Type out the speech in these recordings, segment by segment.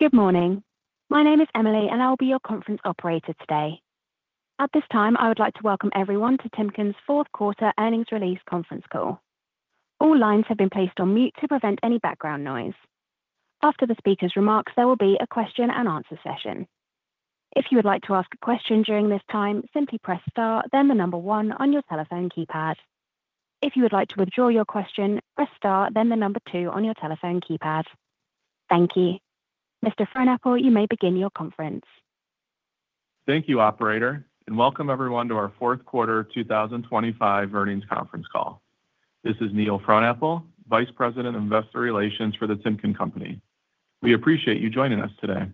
Good morning. My name is Emily, and I'll be your conference operator today. At this time, I would like to welcome everyone to Timken's Fourth Quarter Earnings Release Conference Call. All lines have been placed on mute to prevent any background noise. After the speaker's remarks, there will be a question-and-answer session. If you would like to ask a question during this time, simply press star, then the number one on your telephone keypad. If you would like to withdraw your question, press star, then the number two on your telephone keypad. Thank you. Mr. Frohnapple, you may begin your conference. Thank you, operator, and welcome everyone to our fourth quarter 2025 earnings conference call. This is Neil Frohnapple, Vice President of Investor Relations for The Timken Company. We appreciate you joining us today.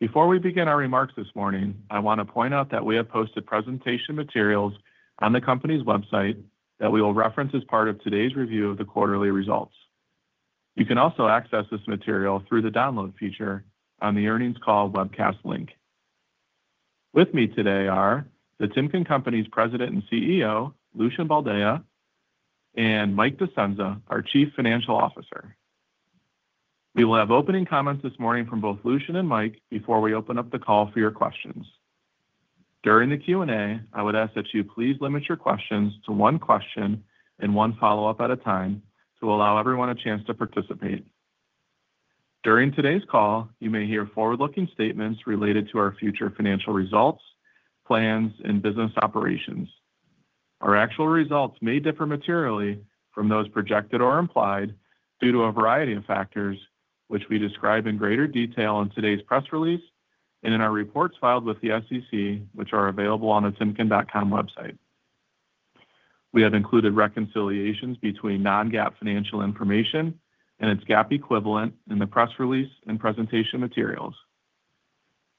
Before we begin our remarks this morning, I want to point out that we have posted presentation materials on the company's website that we will reference as part of today's review of the quarterly results. You can also access this material through the download feature on the earnings call webcast link. With me today are The Timken Company's President and CEO, Lucian Boldea, and Mike Discenza, our Chief Financial Officer. We will have opening comments this morning from both Lucian and Mike before we open up the call for your questions. During the Q&A, I would ask that you please limit your questions to one question and one follow-up at a time to allow everyone a chance to participate. During today's call, you may hear forward-looking statements related to our future financial results, plans, and business operations. Our actual results may differ materially from those projected or implied due to a variety of factors, which we describe in greater detail in today's press release and in our reports filed with the SEC, which are available on the timken.com website. We have included reconciliations between non-GAAP financial information and its GAAP equivalent in the press release and presentation materials.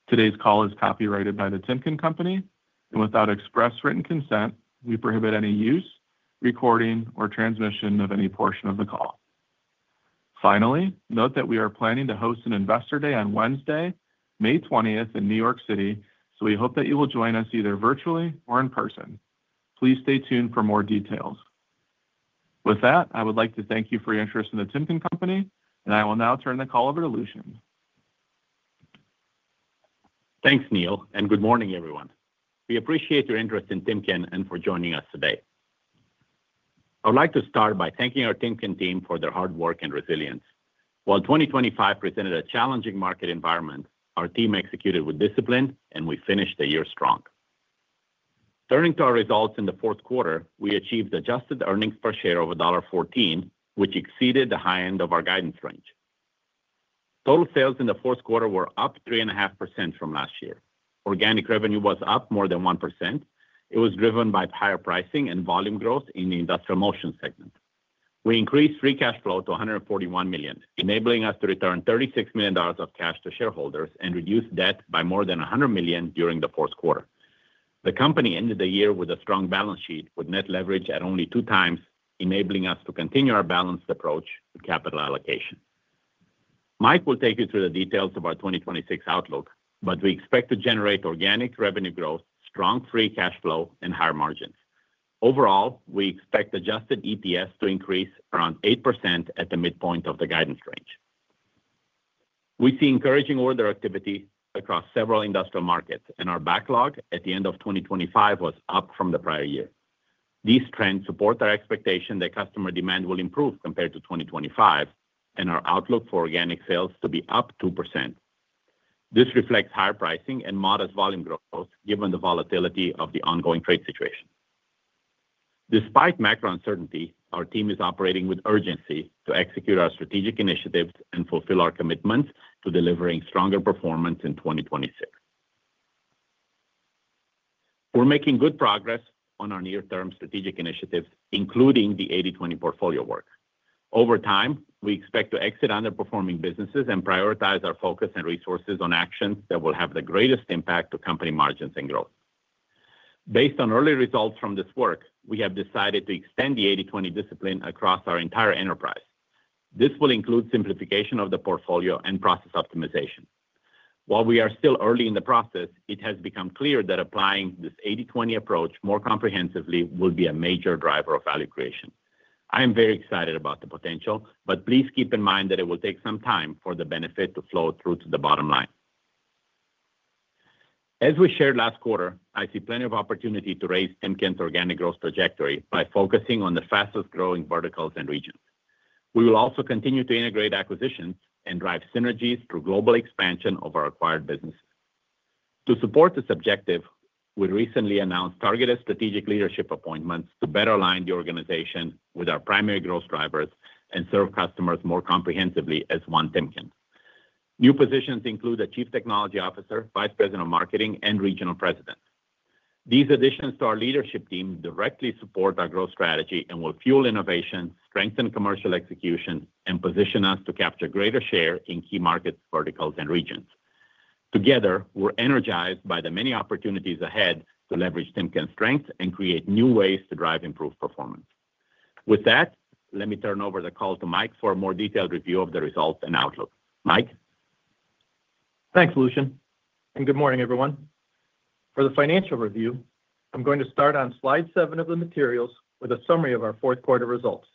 Today's call is copyrighted by the Timken Company, and without express written consent, we prohibit any use, recording, or transmission of any portion of the call. Finally, note that we are planning to host an Investor Day on Wednesday, May twentieth, in New York City, so we hope that you will join us either virtually or in person. Please stay tuned for more details. With that, I would like to thank you for your interest in The Timken Company, and I will now turn the call over to Lucian. Thanks, Neil, and good morning, everyone. We appreciate your interest in Timken and for joining us today. I would like to start by thanking our Timken team for their hard work and resilience. While 2025 presented a challenging market environment, our team executed with discipline, and we finished the year strong. Turning to our results in the fourth quarter, we achieved adjusted earnings per share of $1.40, which exceeded the high end of our guidance range. Total sales in the fourth quarter were up 3.5% from last year. Organic revenue was up more than 1%. It was driven by higher pricing and volume growth in the Industrial Motion segment. We increased free cash flow to $141 million, enabling us to return $36 million of cash to shareholders and reduce debt by more than $100 million during the fourth quarter. The company ended the year with a strong balance sheet, with net leverage at only 2 times, enabling us to continue our balanced approach to capital allocation. Mike will take you through the details of our 2026 outlook, but we expect to generate organic revenue growth, strong free cash flow, and higher margins. Overall, we expect adjusted EPS to increase around 8% at the midpoint of the guidance range. We see encouraging order activity across several industrial markets, and our backlog at the end of 2025 was up from the prior year. These trends support our expectation that customer demand will improve compared to 2025 and our outlook for organic sales to be up 2%. This reflects higher pricing and modest volume growth, given the volatility of the ongoing trade situation. Despite macro uncertainty, our team is operating with urgency to execute our strategic initiatives and fulfill our commitment to delivering stronger performance in 2026. We're making good progress on our near-term strategic initiatives, including the 80/20 portfolio work. Over time, we expect to exit underperforming businesses and prioritize our focus and resources on actions that will have the greatest impact to company margins and growth. Based on early results from this work, we have decided to extend the 80/20 discipline across our entire enterprise. This will include simplification of the portfolio and process optimization. While we are still early in the process, it has become clear that applying this 80/20 approach more comprehensively will be a major driver of value creation. I am very excited about the potential, but please keep in mind that it will take some time for the benefit to flow through to the bottom line. As we shared last quarter, I see plenty of opportunity to raise Timken's organic growth trajectory by focusing on the fastest-growing verticals and regions. We will also continue to integrate acquisitions and drive synergies through global expansion of our acquired business. To support this objective, we recently announced targeted strategic leadership appointments to better align the organization with our primary growth drivers and serve customers more comprehensively as one Timken. New positions include a Chief Technology Officer, Vice President of Marketing, and Regional President. These additions to our leadership team directly support our growth strategy and will fuel innovation, strengthen commercial execution, and position us to capture greater share in key markets, verticals, and regions. Together, we're energized by the many opportunities ahead to leverage Timken's strength and create new ways to drive improved performance. With that, let me turn over the call to Mike for a more detailed review of the results and outlook. Mike? ... Thanks, Lucian, and good morning, everyone. For the financial review, I'm going to start on slide seven of the materials with a summary of our fourth quarter results.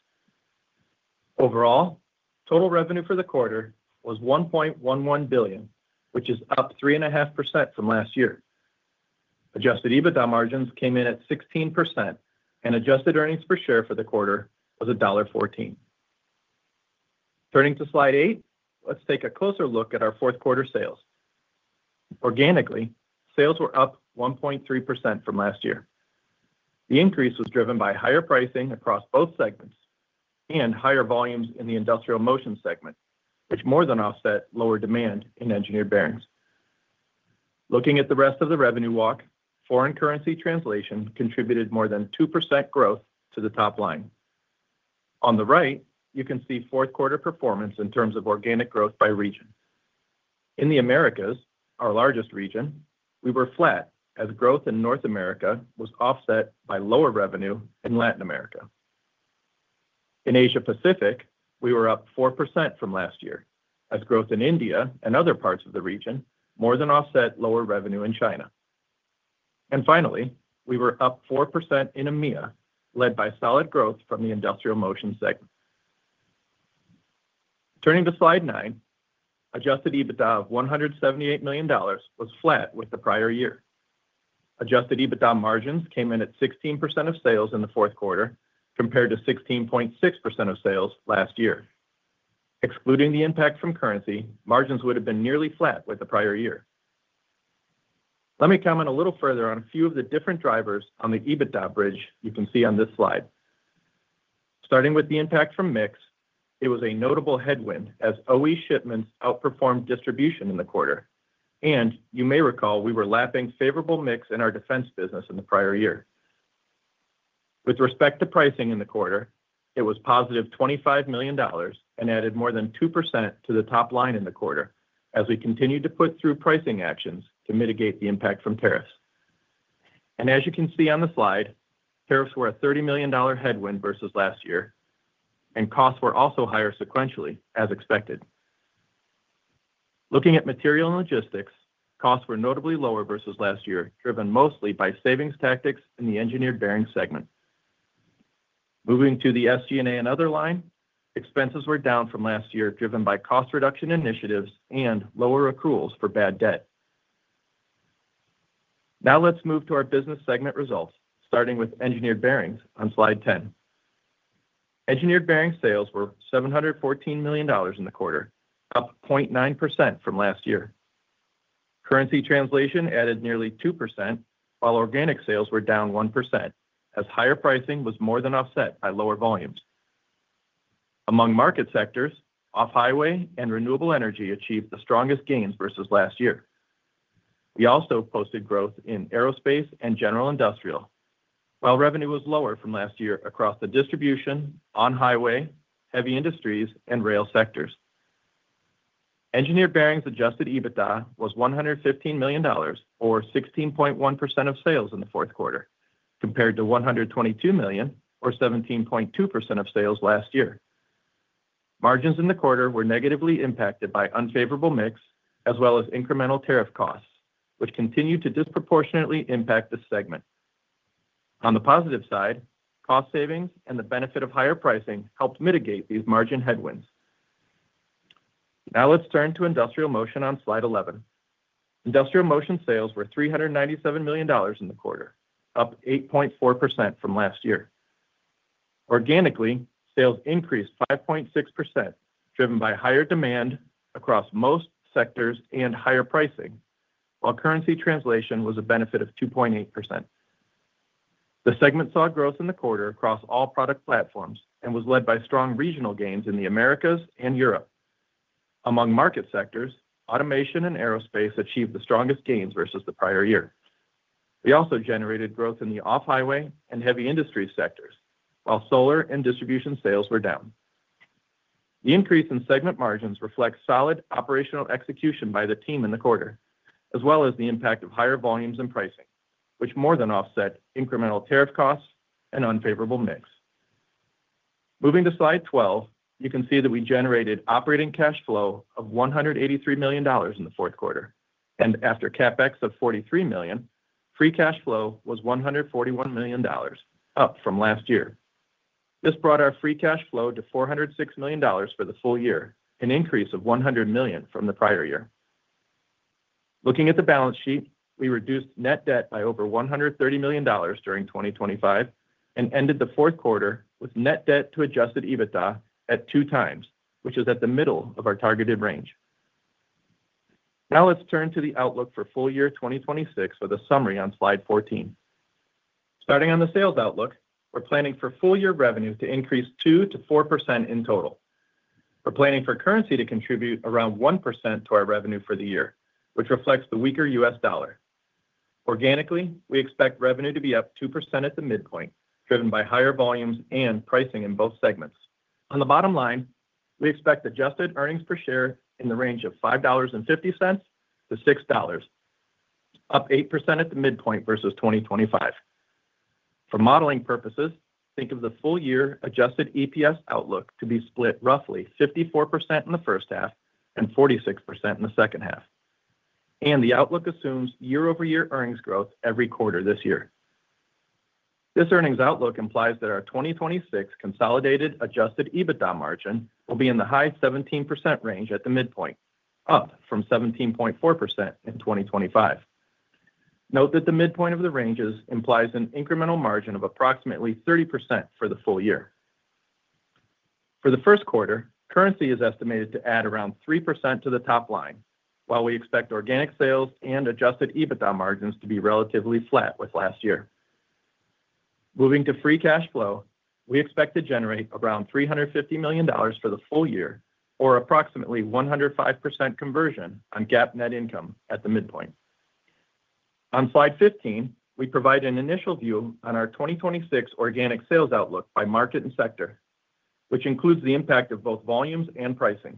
Overall, total revenue for the quarter was $1.11 billion, which is up 3.5% from last year. Adjusted EBITDA margins came in at 16%, and adjusted earnings per share for the quarter was $1.14. Turning to slide eight, let's take a closer look at our fourth quarter sales. Organically, sales were up 1.3% from last year. The increase was driven by higher pricing across both segments and higher volumes in the Industrial Motion segment, which more than offset lower demand in Engineered Bearings. Looking at the rest of the revenue walk, foreign currency translation contributed more than 2% growth to the top line. On the right, you can see fourth quarter performance in terms of organic growth by region. In the Americas, our largest region, we were flat as growth in North America was offset by lower revenue in Latin America. In Asia Pacific, we were up 4% from last year, as growth in India and other parts of the region more than offset lower revenue in China. And finally, we were up 4% in EMEA, led by solid growth from the Industrial Motion segment. Turning to slide nine, Adjusted EBITDA of $178 million was flat with the prior year. Adjusted EBITDA margins came in at 16% of sales in the fourth quarter, compared to 16.6% of sales last year. Excluding the impact from currency, margins would have been nearly flat with the prior year. Let me comment a little further on a few of the different drivers on the EBITDA bridge you can see on this slide. Starting with the impact from mix, it was a notable headwind as OE shipments outperformed distribution in the quarter. You may recall we were lapping favorable mix in our defense business in the prior year. With respect to pricing in the quarter, it was positive $25 million and added more than 2% to the top line in the quarter as we continued to put through pricing actions to mitigate the impact from tariffs. As you can see on the slide, tariffs were a $30 million headwind versus last year, and costs were also higher sequentially, as expected. Looking at material and logistics, costs were notably lower versus last year, driven mostly by savings tactics in the Engineered Bearings segment. Moving to the SG&A and other line, expenses were down from last year, driven by cost reduction initiatives and lower accruals for bad debt. Now let's move to our business segment results, starting with Engineered Bearings on slide 10. Engineered Bearing sales were $714 million in the quarter, up 0.9% from last year. Currency translation added nearly 2%, while organic sales were down 1%, as higher pricing was more than offset by lower volumes. Among market sectors, off-highway and renewable energy achieved the strongest gains versus last year. We also posted growth in aerospace and general industrial, while revenue was lower from last year across the distribution, on-highway, heavy industries, and rail sectors. Engineered Bearings Adjusted EBITDA was $115 million or 16.1% of sales in the fourth quarter, compared to $122 million or 17.2% of sales last year. Margins in the quarter were negatively impacted by unfavorable mix, as well as incremental tariff costs, which continued to disproportionately impact the segment. On the positive side, cost savings and the benefit of higher pricing helped mitigate these margin headwinds. Now let's turn to Industrial Motion on slide 11. Industrial Motion sales were $397 million in the quarter, up 8.4% from last year. Organically, sales increased 5.6%, driven by higher demand across most sectors and higher pricing, while currency translation was a benefit of 2.8%. The segment saw growth in the quarter across all product platforms and was led by strong regional gains in the Americas and Europe. Among market sectors, automation and aerospace achieved the strongest gains versus the prior year. We also generated growth in the off-highway and heavy industry sectors, while solar and distribution sales were down. The increase in segment margins reflect solid operational execution by the team in the quarter, as well as the impact of higher volumes and pricing, which more than offset incremental tariff costs and unfavorable mix. Moving to slide 12, you can see that we generated operating cash flow of $183 million in the fourth quarter, and after CapEx of $43 million, free cash flow was $141 million, up from last year. This brought our free cash flow to $406 million for the full year, an increase of $100 million from the prior year. Looking at the balance sheet, we reduced net debt by over $130 million during 2025 and ended the fourth quarter with net debt to adjusted EBITDA at 2x, which is at the middle of our targeted range. Now, let's turn to the outlook for full year 2026 with a summary on slide 14. Starting on the sales outlook, we're planning for full year revenue to increase 2%-4% in total. We're planning for currency to contribute around 1% to our revenue for the year, which reflects the weaker U.S. dollar. Organically, we expect revenue to be up 2% at the midpoint, driven by higher volumes and pricing in both segments. On the bottom line, we expect adjusted earnings per share in the range of $5.50-$6, up 8% at the midpoint versus 2025. For modeling purposes, think of the full year adjusted EPS outlook to be split roughly 54% in the first half and 46% in the second half. The outlook assumes year-over-year earnings growth every quarter this year. This earnings outlook implies that our 2026 consolidated adjusted EBITDA margin will be in the high 17% range at the midpoint, up from 17.4% in 2025. Note that the midpoint of the ranges implies an incremental margin of approximately 30% for the full year. For the first quarter, currency is estimated to add around 3% to the top line, while we expect organic sales and adjusted EBITDA margins to be relatively flat with last year. Moving to free cash flow, we expect to generate around $350 million for the full year or approximately 105% conversion on GAAP net income at the midpoint. On Slide 15, we provide an initial view on our 2026 organic sales outlook by market and sector, which includes the impact of both volumes and pricing.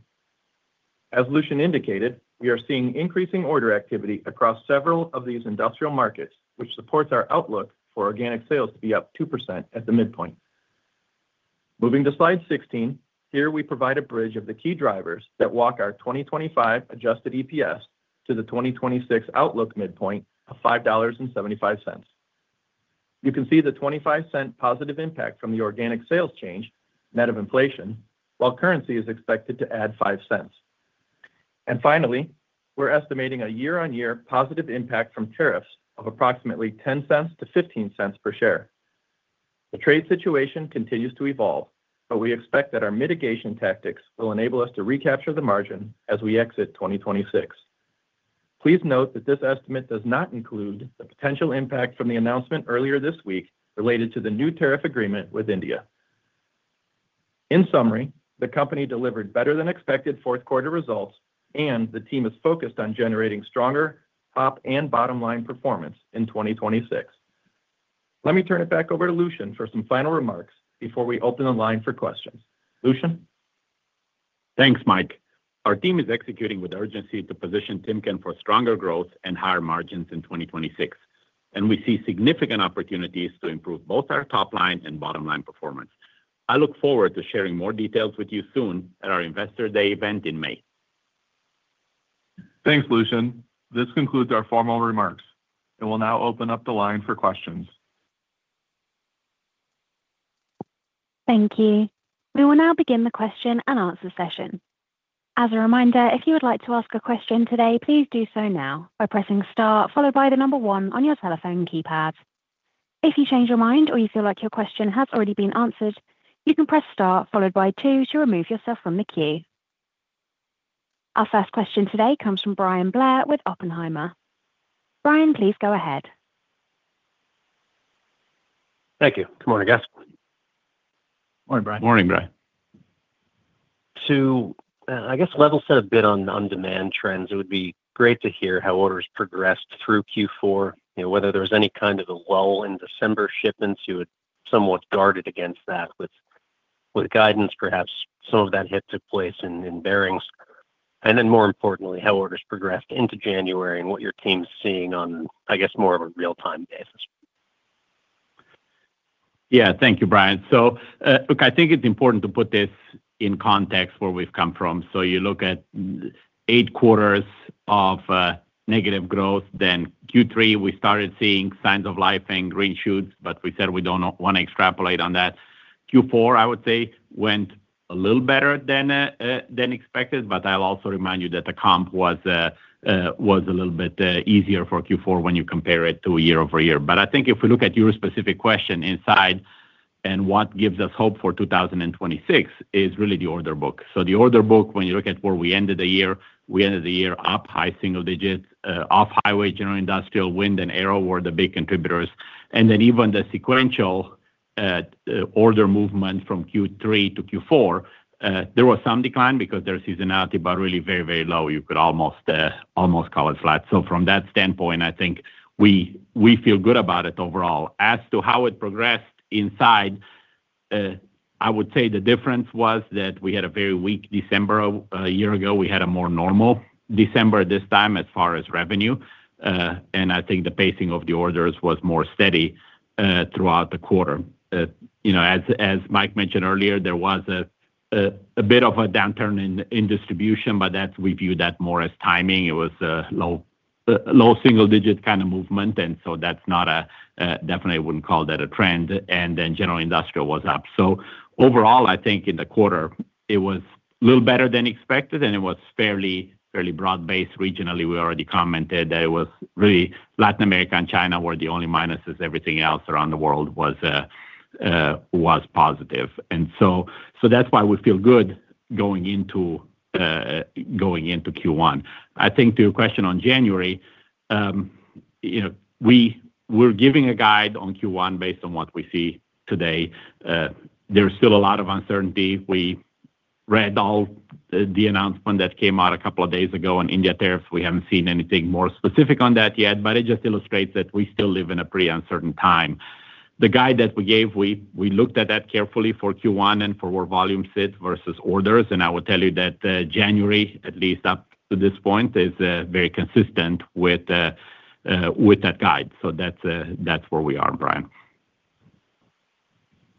As Lucian indicated, we are seeing increasing order activity across several of these industrial markets, which supports our outlook for organic sales to be up 2% at the midpoint. Moving to Slide 16, here we provide a bridge of the key drivers that walk our 2025 Adjusted EPS to the 2026 outlook midpoint of $5.75. You can see the $0.25 positive impact from the organic sales change, net of inflation, while currency is expected to add $0.05. And finally, we're estimating a year-on-year positive impact from tariffs of approximately $0.10-$0.15 per share. The trade situation continues to evolve, but we expect that our mitigation tactics will enable us to recapture the margin as we exit 2026. Please note that this estimate does not include the potential impact from the announcement earlier this week related to the new tariff agreement with India. In summary, the company delivered better than expected fourth quarter results, and the team is focused on generating stronger top and bottom line performance in 2026. Let me turn it back over to Lucian for some final remarks before we open the line for questions. Lucian? Thanks, Mike. Our team is executing with urgency to position Timken for stronger growth and higher margins in 2026, and we see significant opportunities to improve both our top line and bottom line performance. I look forward to sharing more details with you soon at our Investor Day event in May. Thanks, Lucian. This concludes our formal remarks, and we'll now open up the line for questions. Thank you. We will now begin the question and answer session. As a reminder, if you would like to ask a question today, please do so now by pressing star followed by the number one on your telephone keypad. If you change your mind or you feel like your question has already been answered, you can press star followed by two to remove yourself from the queue. Our first question today comes from Bryan Blair with Oppenheimer. Bryan, please go ahead. Thank you. Good morning, guys. Morning, Bryan. Morning, Bryan. To, I guess level set a bit on on-demand trends, it would be great to hear how orders progressed through Q4, you know, whether there was any kind of a lull in December shipments. You had somewhat guarded against that with guidance. Perhaps some of that hit took place in bearings, and then more importantly, how orders progressed into January and what your team's seeing on, I guess, more of a real-time basis. Yeah. Thank you, Bryan. So, look, I think it's important to put this in context where we've come from. So you look at eight quarters of negative growth, then Q3, we started seeing signs of life and green shoots, but we said we don't wanna extrapolate on that. Q4, I would say, went a little better than expected, but I'll also remind you that the comp was a little bit easier for Q4 when you compare it to year-over-year. But I think if we look at your specific question inside, and what gives us hope for 2026 is really the order book. So the order book, when you look at where we ended the year, we ended the year up high single digits, off-highway, general industrial, wind, and aero were the big contributors. And then even the sequential order movement from Q3 to Q4, there was some decline because there's seasonality, but really very, very low. You could almost almost call it flat. So from that standpoint, I think we feel good about it overall. As to how it progressed inside, I would say the difference was that we had a very weak December a year ago. We had a more normal December this time as far as revenue, and I think the pacing of the orders was more steady throughout the quarter. You know, as Mike mentioned earlier, there was a bit of a downturn in distribution, but that's—we view that more as timing. It was a low, low single digit kind of movement, and so that's not a, definitely I wouldn't call that a trend, and then general industrial was up. So overall, I think in the quarter it was a little better than expected, and it was fairly, fairly broad-based. Regionally, we already commented that it was really Latin America and China were the only minuses. Everything else around the world was, was positive. And so, so that's why we feel good going into, going into Q1. I think to your question on January, you know, we're giving a guide on Q1 based on what we see today. There's still a lot of uncertainty. We read all the announcement that came out a couple of days ago on India tariffs. We haven't seen anything more specific on that yet, but it just illustrates that we still live in a pretty uncertain time. The guide that we gave, we looked at that carefully for Q1 and for where volume sits versus orders, and I will tell you that January, at least up to this point, is very consistent with that guide. So that's where we are, Bryan....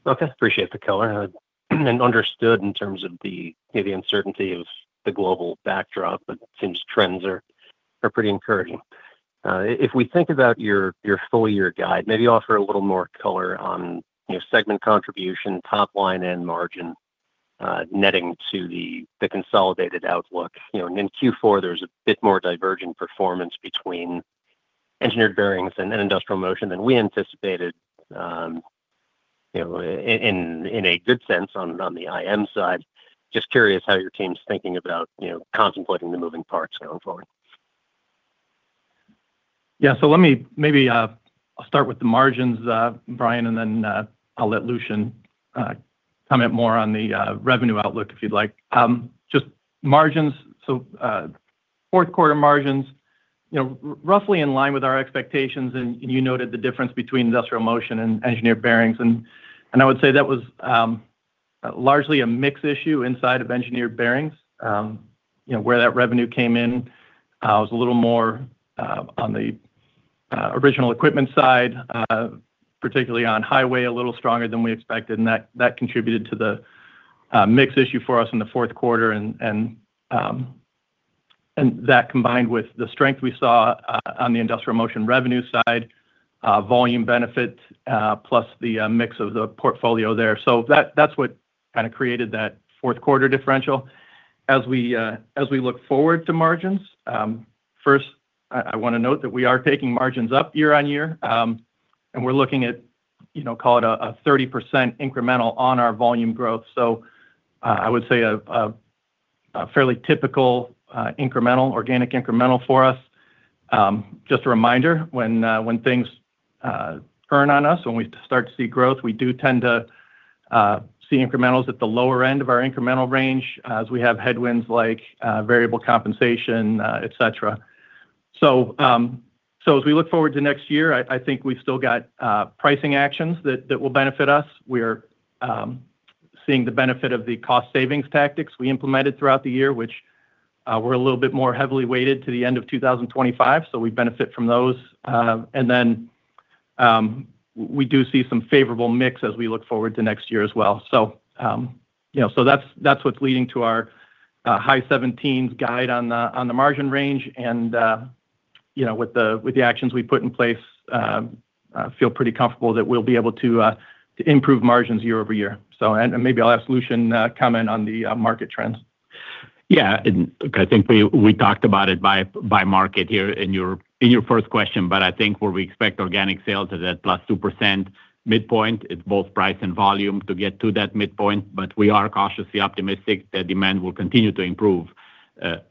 Okay, appreciate the color and understood in terms of the, you know, the uncertainty of the global backdrop, but it seems trends are pretty encouraging. If we think about your full year guide, maybe offer a little more color on, you know, segment contribution, top line, and margin netting to the consolidated outlook. You know, and in Q4, there's a bit more divergent performance between Engineered Bearings and Industrial Motion than we anticipated. You know, in a good sense, on the IM side. Just curious how your team's thinking about, you know, contemplating the moving parts going forward. Yeah. So let me maybe, I'll start with the margins, Bryan, and then, I'll let Lucian comment more on the revenue outlook, if you'd like. Just margins. So, fourth quarter margins, you know, roughly in line with our expectations, and you noted the difference between Industrial Motion and Engineered Bearings. And I would say that was largely a mix issue inside of Engineered Bearings. You know, where that revenue came in was a little more on the original equipment side, particularly on highway, a little stronger than we expected, and that contributed to the mix issue for us in the fourth quarter. And that, combined with the strength we saw on the Industrial Motion revenue side, volume benefit, plus the mix of the portfolio there. So that's what kinda created that fourth quarter differential. As we look forward to margins, first, I wanna note that we are taking margins up year-on-year. And we're looking at, you know, call it a 30% incremental on our volume growth. So I would say a fairly typical incremental, organic incremental for us. Just a reminder, when things turn on us, when we start to see growth, we do tend to see incrementals at the lower end of our incremental range, as we have headwinds like variable compensation, et cetera. So as we look forward to next year, I think we've still got pricing actions that will benefit us. We're seeing the benefit of the cost savings tactics we implemented throughout the year, which we're a little bit more heavily weighted to the end of 2025, so we benefit from those. And then, we do see some favorable mix as we look forward to next year as well. So, you know, so that's what's leading to our high 17s guide on the margin range. And, you know, with the actions we put in place, feel pretty comfortable that we'll be able to improve margins year-over-year. So and maybe I'll have Lucian comment on the market trends. Yeah, and look, I think we talked about it by market here in your first question, but I think where we expect organic sales is at +2% midpoint. It's both price and volume to get to that midpoint, but we are cautiously optimistic that demand will continue to improve.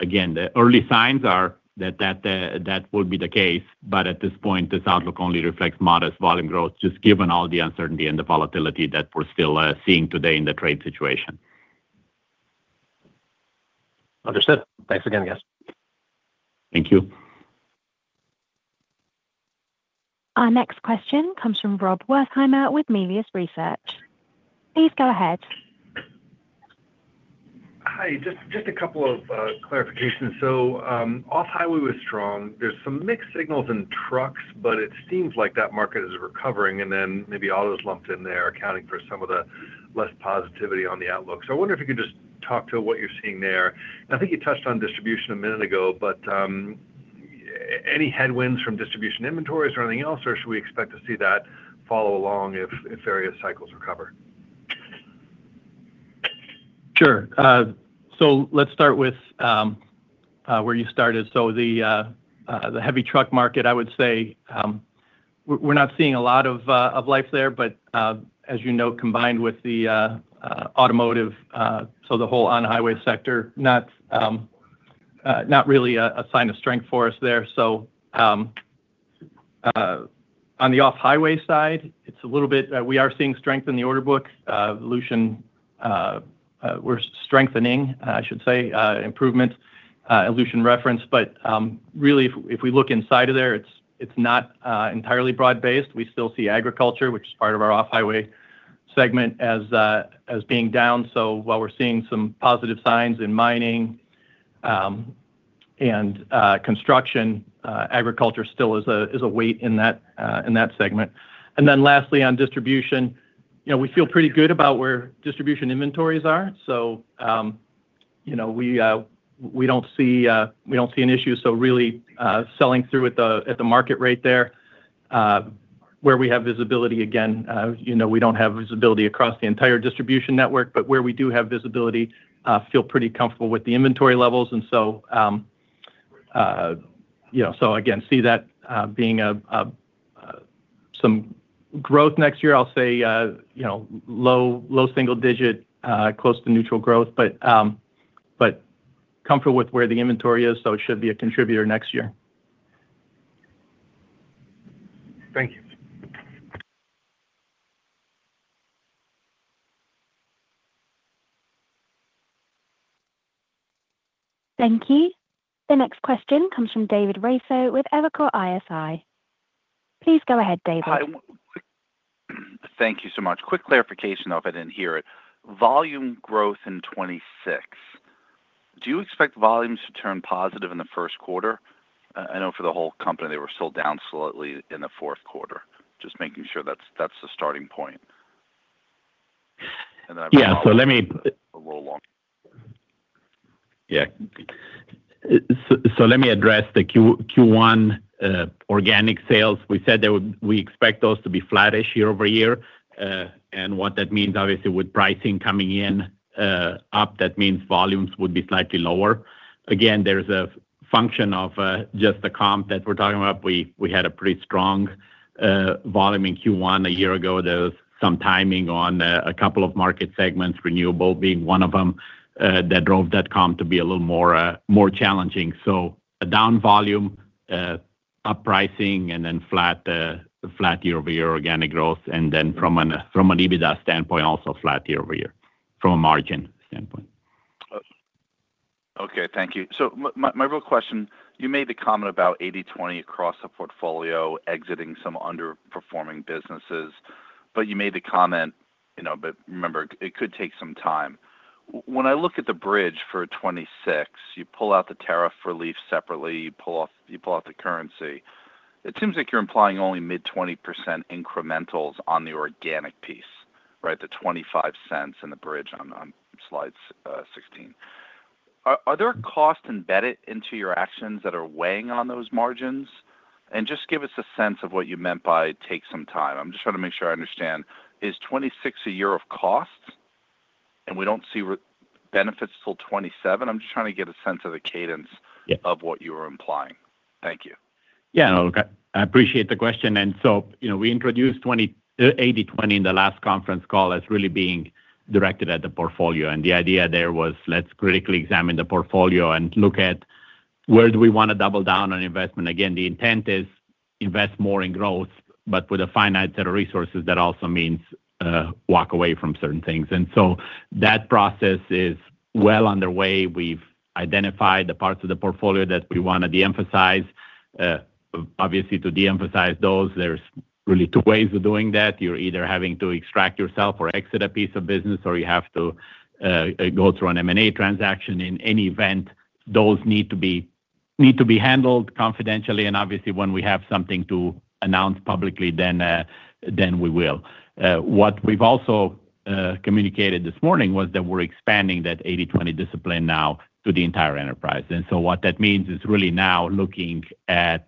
Again, the early signs are that that will be the case, but at this point, this outlook only reflects modest volume growth, just given all the uncertainty and the volatility that we're still seeing today in the trade situation. Understood. Thanks again, guys. Thank you. Our next question comes from Rob Wertheimer with Melius Research. Please go ahead. Hi, just a couple of clarifications. So, off-highway was strong. There's some mixed signals in trucks, but it seems like that market is recovering, and then maybe all those lumped in there are accounting for some of the less positivity on the outlook. So I wonder if you could just talk to what you're seeing there. I think you touched on distribution a minute ago, but any headwinds from distribution inventories or anything else, or should we expect to see that follow along if various cycles recover? Sure. So let's start with where you started. So the heavy truck market, I would say, we're not seeing a lot of life there, but as you know, combined with the automotive, so the whole on-highway sector, not really a sign of strength for us there. So on the off-highway side, it's a little bit, we are seeing strength in the order book. Lucian... We're strengthening, I should say, improvement, Lucian referenced. But really, if we look inside of there, it's not entirely broad-based. We still see agriculture, which is part of our off-highway segment, as being down. So while we're seeing some positive signs in mining, and construction, agriculture still is a weight in that segment. And then lastly, on distribution, you know, we feel pretty good about where distribution inventories are. So, you know, we don't see an issue, so really, selling through at the market rate there, where we have visibility again, you know, we don't have visibility across the entire distribution network, but where we do have visibility, feel pretty comfortable with the inventory levels. And so, you know, so again, see that being some growth next year, I'll say, you know, low single digit, close to neutral growth. But comfortable with where the inventory is, so it should be a contributor next year. Thank you. Thank you. The next question comes from David Raso with Evercore ISI. Please go ahead, David. Hi. Thank you so much. Quick clarification if I didn't hear it. Volume growth in 2026... Do you expect volumes to turn positive in the first quarter? I know for the whole company, they were still down slightly in the fourth quarter. Just making sure that's the starting point. And then- Yeah, so let me- A little long. Yeah. So let me address the Q1 organic sales. We said that we expect those to be flattish year-over-year. And what that means, obviously, with pricing coming in up, that means volumes would be slightly lower. Again, there's a function of just the comp that we're talking about. We had a pretty strong volume in Q1 a year ago. There was some timing on a couple of market segments, renewable being one of them, that drove that comp to be a little more challenging. So a down volume, up pricing, and then flat year-over-year organic growth, and then from an EBITDA standpoint, also flat year-over-year, from a margin standpoint. Okay, thank you. So my real question: you made the comment about 80/20 across the portfolio, exiting some underperforming businesses, but you made the comment, you know, "But remember, it could take some time." When I look at the bridge for 2026, you pull out the tariff relief separately, you pull out the currency. It seems like you're implying only mid-20% incrementals on the organic piece, right? The $0.25 in the bridge on slide 16. Are there costs embedded into your actions that are weighing on those margins? And just give us a sense of what you meant by "take some time." I'm just trying to make sure I understand. Is 2026 a year of costs, and we don't see benefits till 2027? I'm just trying to get a sense of the cadence- Yeah... of what you were implying. Thank you. Yeah, okay. I appreciate the question. So, you know, we introduced 80/20 in the last conference call as really being directed at the portfolio, and the idea there was, let's critically examine the portfolio and look at where do we wanna double down on investment. Again, the intent is invest more in growth, but with a finite set of resources, that also means walk away from certain things. So that process is well underway. We've identified the parts of the portfolio that we wanna de-emphasize. Obviously, to de-emphasize those, there's really two ways of doing that. You're either having to extract yourself or exit a piece of business, or you have to go through an M&A transaction. In any event, those need to be handled confidentially, and obviously, when we have something to announce publicly, then we will. What we've also communicated this morning was that we're expanding that 80/20 discipline now to the entire enterprise. And so what that means is really now looking at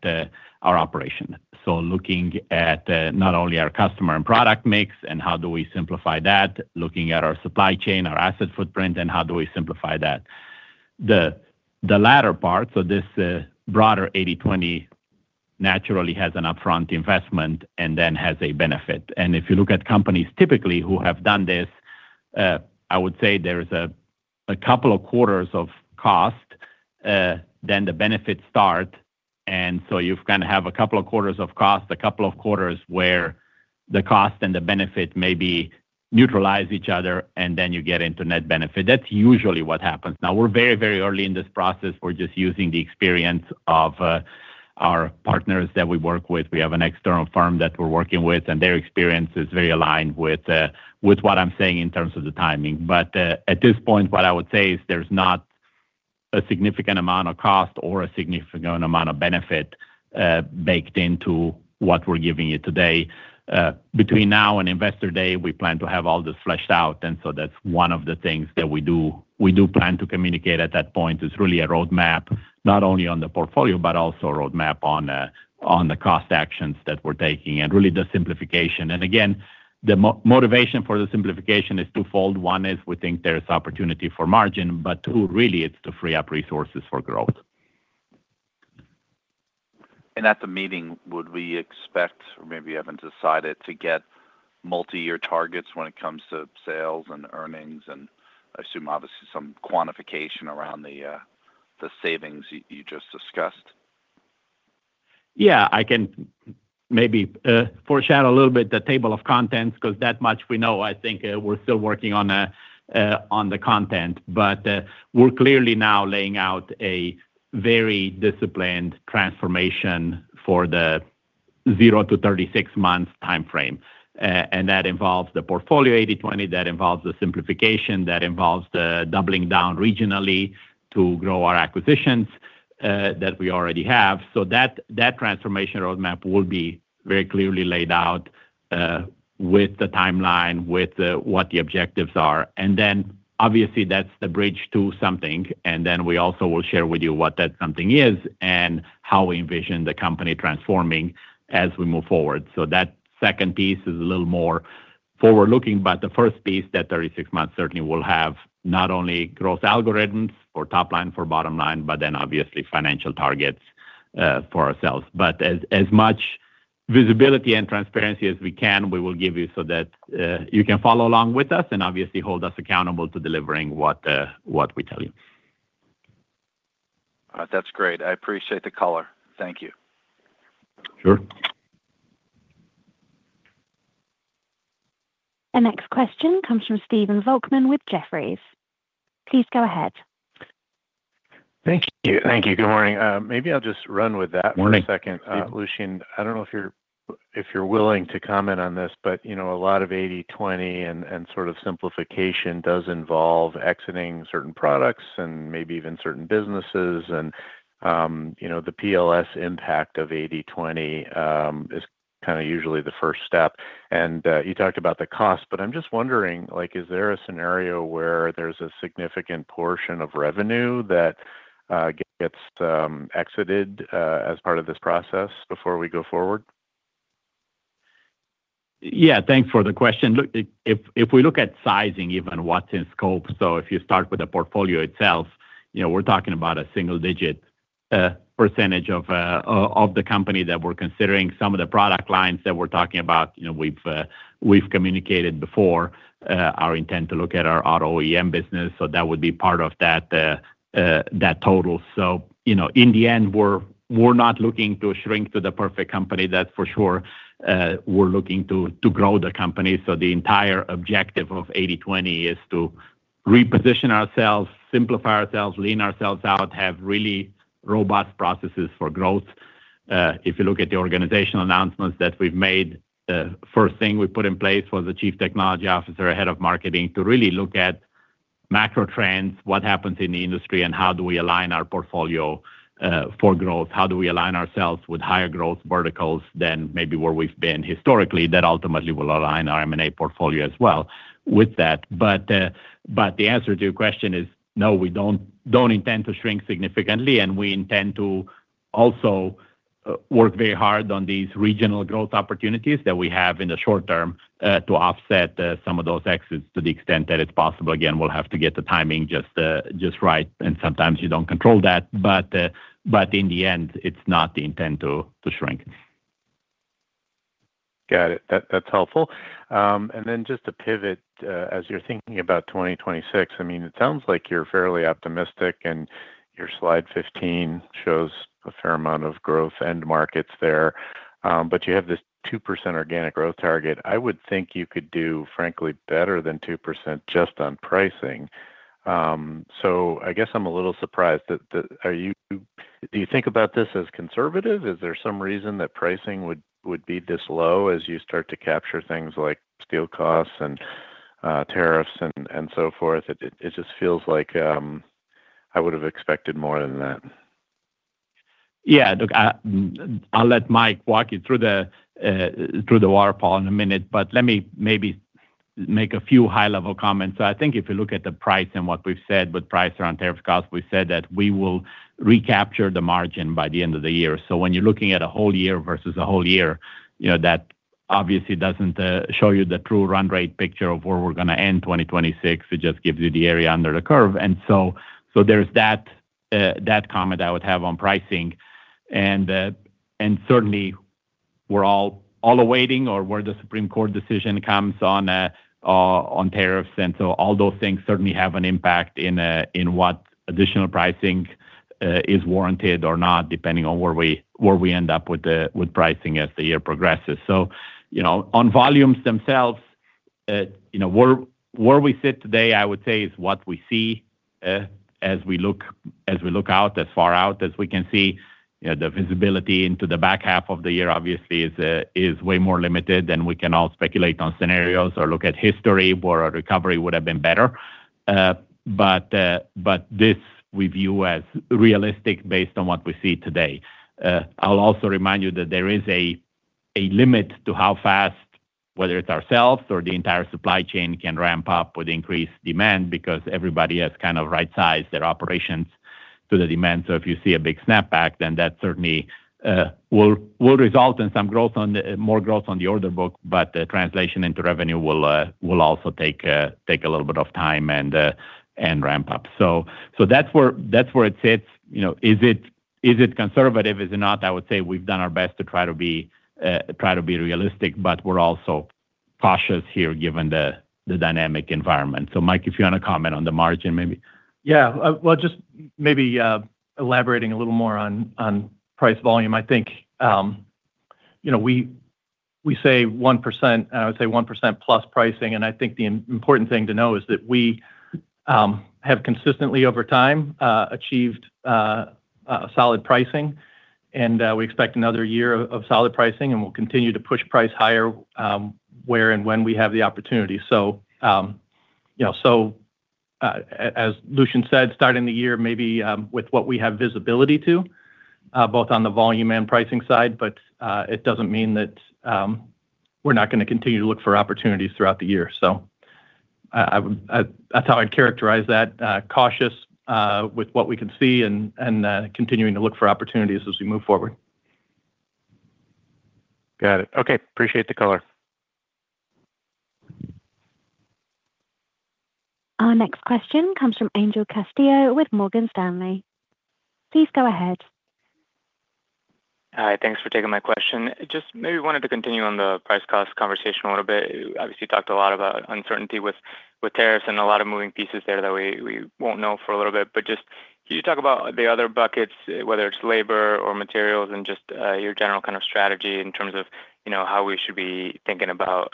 our operation. So looking at not only our customer and product mix and how do we simplify that, looking at our supply chain, our asset footprint, and how do we simplify that? The latter part, so this broader 80/20, naturally has an upfront investment and then has a benefit. And if you look at companies typically who have done this, I would say there is a couple of quarters of cost, then the benefits start. And so you've kinda have a couple of quarters of cost, a couple of quarters where the cost and the benefit may be neutralize each other, and then you get into net benefit. That's usually what happens. Now, we're very, very early in this process. We're just using the experience of our partners that we work with. We have an external firm that we're working with, and their experience is very aligned with what I'm saying in terms of the timing. But at this point, what I would say is there's not a significant amount of cost or a significant amount of benefit baked into what we're giving you today. Between now and Investor Day, we plan to have all this fleshed out, and so that's one of the things that we do. We do plan to communicate at that point is really a roadmap, not only on the portfolio, but also a roadmap on the cost actions that we're taking and really the simplification. And again, the motivation for the simplification is twofold. One is we think there is opportunity for margin, but two, really, it's to free up resources for growth. At the meeting, would we expect, or maybe you haven't decided, to get multiyear targets when it comes to sales and earnings, and I assume, obviously, some quantification around the, the savings you just discussed? Yeah, I can maybe foreshadow a little bit the table of contents, because that much we know, I think, we're still working on on the content. But, we're clearly now laying out a very disciplined transformation for the zero to 36 months timeframe. And that involves the portfolio, 80/20, that involves the simplification, that involves the doubling down regionally to grow our acquisitions, that we already have. So that, that transformation roadmap will be very clearly laid out, with the timeline, with what the objectives are. And then, obviously, that's the bridge to something. And then we also will share with you what that something is and how we envision the company transforming as we move forward. So that second piece is a little more forward-looking, but the first piece, that 36 months, certainly will have not only growth algorithms for top line, for bottom line, but then obviously financial targets, for ourselves. But as much visibility and transparency as we can, we will give you so that, you can follow along with us and obviously hold us accountable to delivering what, what we tell you. That's great. I appreciate the color. Thank you. Sure. The next question comes from Stephen Volkmann with Jefferies. Please go ahead.... Thank you. Thank you. Good morning. Maybe I'll just run with that- Morning For a second. Lucian, I don't know if you're willing to comment on this, but, you know, a lot of 80/20 and sort of simplification does involve exiting certain products and maybe even certain businesses. And, you know, the PLS impact of 80/20 is kind of usually the first step. And you talked about the cost, but I'm just wondering, like, is there a scenario where there's a significant portion of revenue that gets exited as part of this process before we go forward? Yeah. Thanks for the question. Look, if we look at sizing, even what's in scope, so if you start with the portfolio itself, you know, we're talking about a single digit percentage of the company that we're considering. Some of the product lines that we're talking about, you know, we've communicated before our intent to look at our auto OEM business, so that would be part of that total. So, you know, in the end, we're not looking to shrink to the perfect company, that's for sure. We're looking to grow the company. So the entire objective of 80/20 is to reposition ourselves, simplify ourselves, lean ourselves out, have really robust processes for growth. If you look at the organizational announcements that we've made, the first thing we put in place was a chief technology officer, a head of marketing, to really look at macro trends, what happens in the industry, and how do we align our portfolio for growth? How do we align ourselves with higher growth verticals than maybe where we've been historically, that ultimately will align our M&A portfolio as well with that. But the answer to your question is no, we don't intend to shrink significantly, and we intend to also work very hard on these regional growth opportunities that we have in the short term to offset some of those exits to the extent that it's possible. Again, we'll have to get the timing just right, and sometimes you don't control that, but in the end, it's not the intent to shrink. Got it. That, that's helpful. And then just to pivot, as you're thinking about 2026, I mean, it sounds like you're fairly optimistic, and your slide 15 shows a fair amount of growth end markets there. But you have this 2% organic growth target. I would think you could do, frankly, better than 2% just on pricing. So I guess I'm a little surprised that, that... Are you- do you think about this as conservative? Is there some reason that pricing would be this low as you start to capture things like steel costs and tariffs and so forth? It just feels like, I would have expected more than that. Yeah. Look, I, I'll let Mike walk you through the through the waterfall in a minute, but let me maybe make a few high-level comments. So I think if you look at the price and what we've said with price around tariff costs, we've said that we will recapture the margin by the end of the year. So when you're looking at a whole year versus a whole year, you know, that obviously doesn't show you the true run rate picture of where we're gonna end 2026. It just gives you the area under the curve. And so, so there's that, that comment I would have on pricing. And, and certainly, we're all, all awaiting or where the Supreme Court decision comes on, on tariffs. And so all those things certainly have an impact in, in what additional pricing is warranted or not, depending on where we, where we end up with the, with pricing as the year progresses. So, you know, on volumes themselves, you know, where, where we sit today, I would say, is what we see, as we look, as we look out, as far out as we can see. You know, the visibility into the back half of the year, obviously is, is way more limited than we can all speculate on scenarios or look at history, where our recovery would have been better. But, but this we view as realistic based on what we see today. I'll also remind you that there is a limit to how fast, whether it's ourselves or the entire supply chain, can ramp up with increased demand because everybody has kind of right-sized their operations to the demand. So if you see a big snapback, then that certainly will result in some more growth on the order book, but the translation into revenue will also take a little bit of time and ramp up. So that's where it sits. You know, is it conservative, is it not? I would say we've done our best to try to be realistic, but we're also cautious here, given the dynamic environment. So Mike, if you want to comment on the margin, maybe. Yeah. Well, just maybe elaborating a little more on price volume. I think, you know, we say 1%, and I would say 1% plus pricing, and I think the important thing to know is that we have consistently over time achieved solid pricing, and we expect another year of solid pricing, and we'll continue to push price higher, where and when we have the opportunity. So, you know, so, as Lucian said, starting the year maybe with what we have visibility to, both on the volume and pricing side, but it doesn't mean that we're not gonna continue to look for opportunities throughout the year. So, that's how I'd characterize that, cautious, with what we can see and continuing to look for opportunities as we move forward. Got it. Okay. Appreciate the color. Our next question comes from Angel Castillo with Morgan Stanley. Please go ahead. Hi, thanks for taking my question. Just maybe wanted to continue on the price cost conversation a little bit. Obviously, you talked a lot about uncertainty with tariffs and a lot of moving pieces there that we won't know for a little bit. But just, can you talk about the other buckets, whether it's labor or materials, and just, your general kind of strategy in terms of, you know, how we should be thinking about,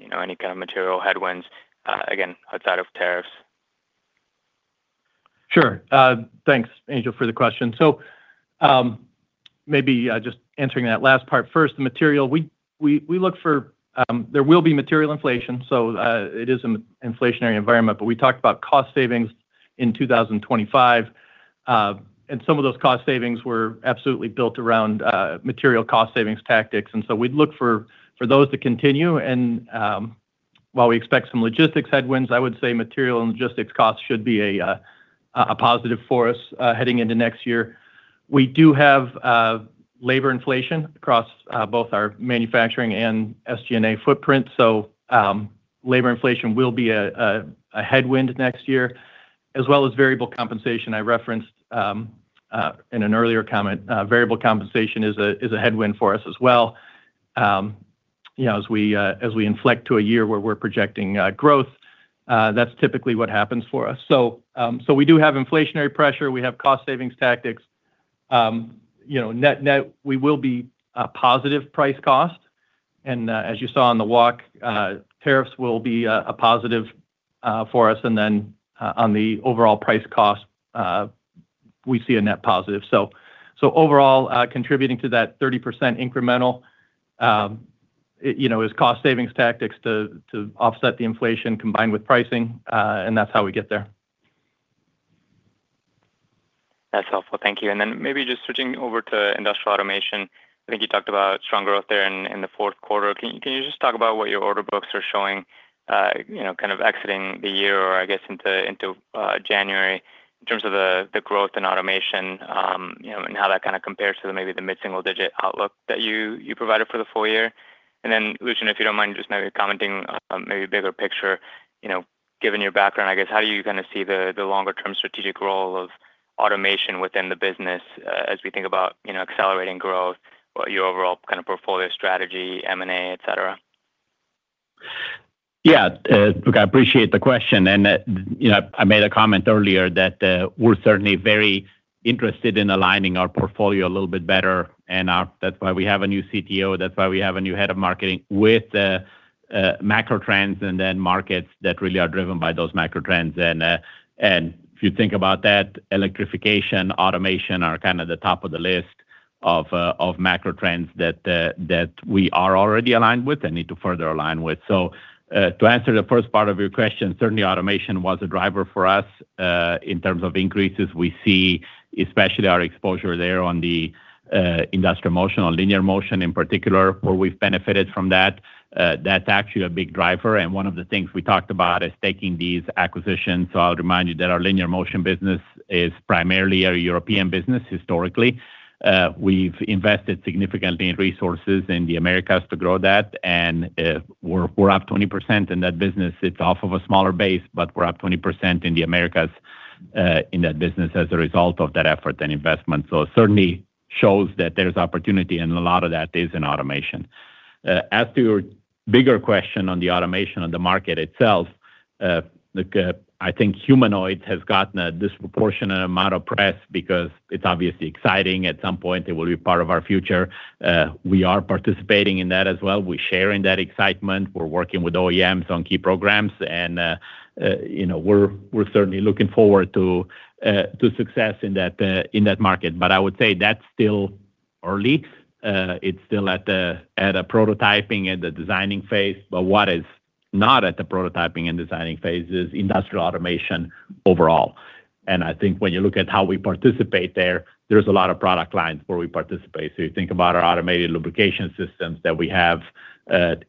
you know, any kind of material headwinds, again, outside of tariffs?... Sure. Thanks, Angel, for the question. So, maybe just answering that last part first, the material we look for, there will be material inflation, so it is an inflationary environment. But we talked about cost savings in 2025, and some of those cost savings were absolutely built around material cost savings tactics. And so we'd look for those to continue. And while we expect some logistics headwinds, I would say material and logistics costs should be a positive for us heading into next year. We do have labor inflation across both our manufacturing and SG&A footprint. So, labor inflation will be a headwind next year, as well as variable compensation. I referenced in an earlier comment, variable compensation is a headwind for us as well. You know, as we inflect to a year where we're projecting growth, that's typically what happens for us. So, we do have inflationary pressure, we have cost savings tactics. You know, net, we will be a positive price cost, and, as you saw on the walk, tariffs will be a positive for us, and then, on the overall price cost, we see a net positive. So, overall, contributing to that 30% incremental, you know, is cost savings tactics to offset the inflation combined with pricing, and that's how we get there. That's helpful. Thank you. And then maybe just switching over to industrial automation. I think you talked about strong growth there in the fourth quarter. Can you just talk about what your order books are showing, you know, kind of exiting the year or I guess into January, in terms of the growth in automation, you know, and how that kind of compares to maybe the mid-single digit outlook that you provided for the full year? And then, Lucian, if you don't mind just maybe commenting on maybe bigger picture, you know, given your background, I guess, how do you kinda see the longer term strategic role of automation within the business, as we think about, you know, accelerating growth, what your overall kind of portfolio strategy, M&A, et cetera? Yeah, look, I appreciate the question, and, you know, I made a comment earlier that, we're certainly very interested in aligning our portfolio a little bit better, and, that's why we have a new CTO. That's why we have a new head of marketing with the, macro trends and then markets that really are driven by those macro trends. And, and if you think about that, electrification, automation are kind of the top of the list of, of macro trends that, that we are already aligned with and need to further align with. So, to answer the first part of your question, certainly automation was a driver for us, in terms of increases we see, especially our exposure there on the, Industrial Motion or linear motion in particular, where we've benefited from that. That's actually a big driver, and one of the things we talked about is taking these acquisitions. So I would remind you that our linear motion business is primarily a European business historically. We've invested significantly in resources in the Americas to grow that, and we're up 20% in that business. It's off of a smaller base, but we're up 20% in the Americas, in that business as a result of that effort and investment. So it certainly shows that there's opportunity, and a lot of that is in automation. As to your bigger question on the automation and the market itself, look, I think humanoid has gotten a disproportionate amount of press because it's obviously exciting. At some point, it will be part of our future. We are participating in that as well. We're sharing that excitement. We're working with OEMs on key programs, and, you know, we're certainly looking forward to success in that market. But I would say that's still early. It's still at a prototyping and designing phase, but what is not at the prototyping and designing phase is industrial automation overall. And I think when you look at how we participate there, there's a lot of product lines where we participate. So you think about our automated lubrication systems that we have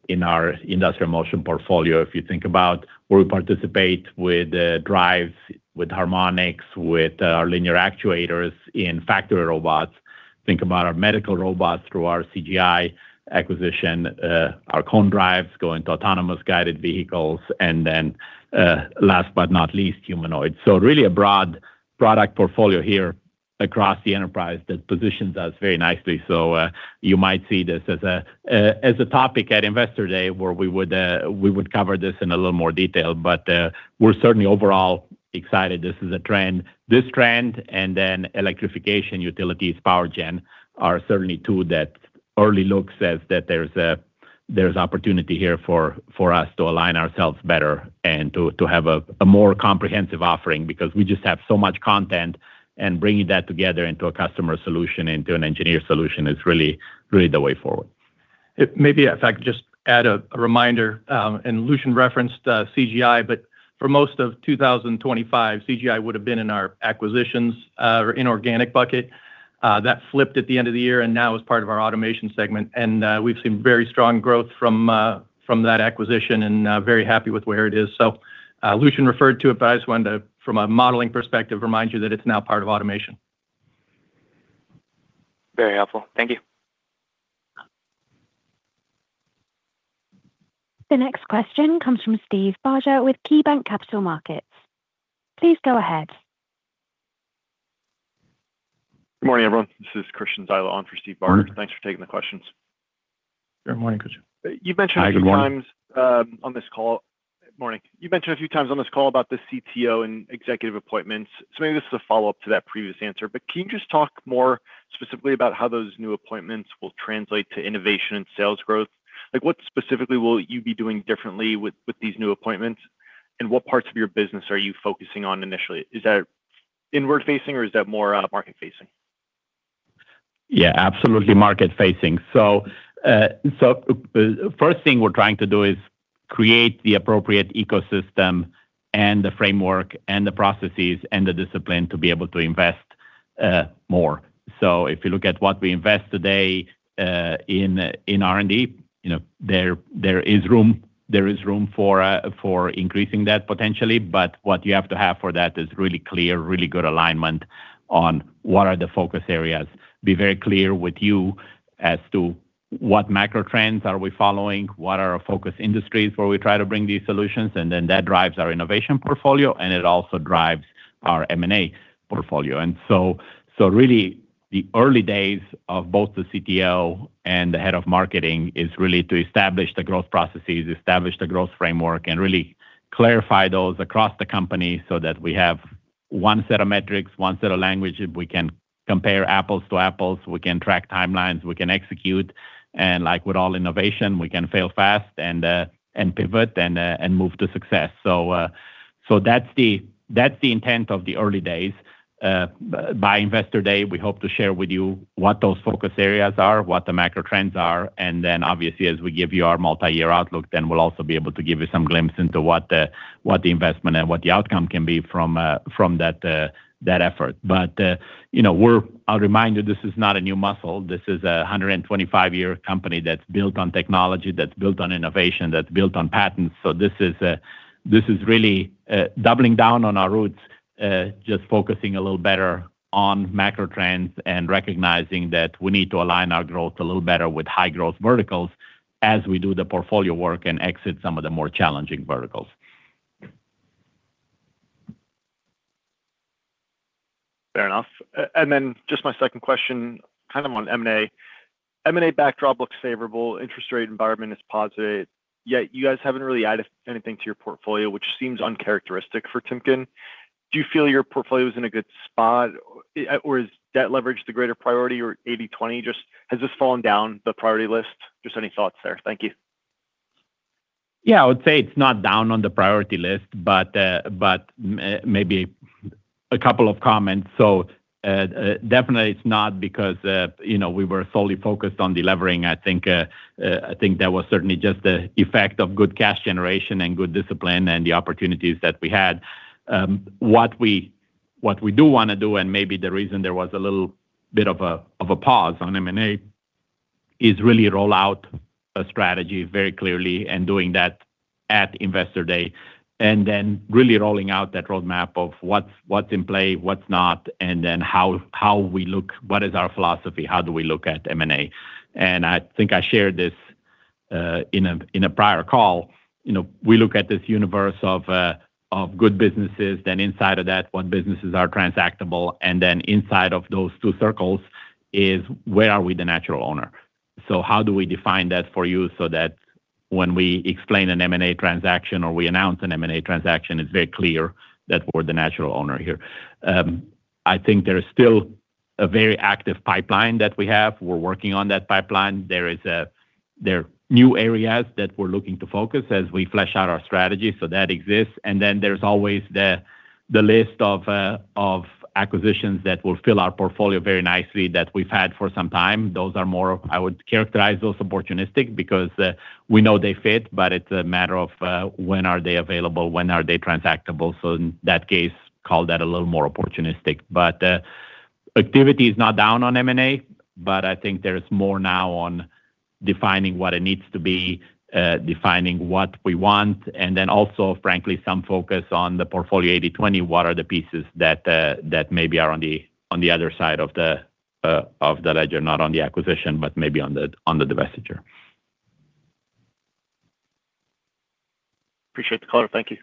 in our Industrial Motion portfolio. If you think about where we participate with the drives, with harmonics, with our linear actuators in factory robots. Think about our medical robots through our CGI acquisition, our Cone Drive going to autonomous guided vehicles, and then, last but not least, humanoids. So really a broad product portfolio here across the enterprise that positions us very nicely. So, you might see this as a, as a topic at Investor Day, where we would, we would cover this in a little more detail. But, we're certainly overall excited this is a trend. This trend, and then electrification, utilities, power gen are certainly two that early looks says that there's opportunity here for us to align ourselves better and to have a more comprehensive offering because we just have so much content, and bringing that together into a customer solution, into an engineer solution is really, really the way forward. Maybe if I could just add a reminder, and Lucian referenced CGI, but for most of 2025, CGI would have been in our acquisitions, inorganic bucket. That flipped at the end of the year and now is part of our automation segment, and we've seen very strong growth from from that acquisition and very happy with where it is. So, Lucian referred to it, but I just wanted to, from a modeling perspective, remind you that it's now part of automation. Very helpful. Thank you. The next question comes from Steve Barger with KeyBanc Capital Markets. Please go ahead. Good morning, everyone. This is Christian Zyla on for Steve Barger. Thanks for taking the questions. Good morning, Christian. Hi, good morning. You've mentioned a few times on this call about the CTO and executive appointments. So maybe this is a follow-up to that previous answer, but can you just talk more specifically about how those new appointments will translate to innovation and sales growth? Like, what specifically will you be doing differently with these new appointments? And what parts of your business are you focusing on initially? Is that inward-facing or is that more market-facing? Yeah, absolutely market-facing. So, first thing we're trying to do is create the appropriate ecosystem and the framework and the processes and the discipline to be able to invest more. So if you look at what we invest today in R&D, you know, there is room for increasing that potentially, but what you have to have for that is really clear, really good alignment on what are the focus areas. Be very clear with you as to what macro trends are we following, what are our focus industries, where we try to bring these solutions, and then that drives our innovation portfolio, and it also drives our M&A portfolio. And so really, the early days of both the CTO and the head of marketing is really to establish the growth processes, establish the growth framework, and really clarify those across the company so that we have one set of metrics, one set of language, and we can compare apples to apples, we can track timelines, we can execute, and like with all innovation, we can fail fast and pivot and move to success. So that's the intent of the early days. By Investor Day, we hope to share with you what those focus areas are, what the macro trends are, and then, obviously, as we give you our multi-year outlook, then we'll also be able to give you some glimpse into what the investment and what the outcome can be from that effort. But, you know, we're a reminder, this is not a new muscle. This is a 125-year company that's built on technology, that's built on innovation, that's built on patents. So this is, this is really, doubling down on our roots, just focusing a little better on macro trends and recognizing that we need to align our growth a little better with high growth verticals as we do the portfolio work and exit some of the more challenging verticals. Fair enough. And then just my second question, kind of on M&A. M&A backdrop looks favorable, interest rate environment is positive, yet you guys haven't really added anything to your portfolio, which seems uncharacteristic for Timken. Do you feel your portfolio is in a good spot, or is debt leverage the greater priority or 80/20? Just has this fallen down the priority list? Just any thoughts there. Thank you. Yeah, I would say it's not down on the priority list, but maybe a couple of comments. So, definitely it's not because, you know, we were solely focused on delevering. I think that was certainly just the effect of good cash generation and good discipline and the opportunities that we had. What we do wanna do, and maybe the reason there was a little bit of a pause on M&A, is really roll out a strategy very clearly and doing that at Investor Day, and then really rolling out that roadmap of what's in play, what's not, and then how we look, what is our philosophy, how do we look at M&A? And I think I shared this in a prior call. You know, we look at this universe of good businesses, then inside of that, what businesses are transactable, and then inside of those two circles is where are we the natural owner? So how do we define that for you so that when we explain an M&A transaction or we announce an M&A transaction, it's very clear that we're the natural owner here. I think there is still a very active pipeline that we have. We're working on that pipeline. There are new areas that we're looking to focus as we flesh out our strategy, so that exists. And then there's always the list of acquisitions that will fill our portfolio very nicely, that we've had for some time. Those are more of... I would characterize those opportunistic because, we know they fit, but it's a matter of, when are they available, when are they transactable. So in that case, call that a little more opportunistic. But, activity is not down on M&A, but I think there is more now on defining what it needs to be, defining what we want, and then also, frankly, some focus on the portfolio 80/20, what are the pieces that maybe are on the other side of the ledger, not on the acquisition, but maybe on the divestiture. Appreciate the call. Thank you.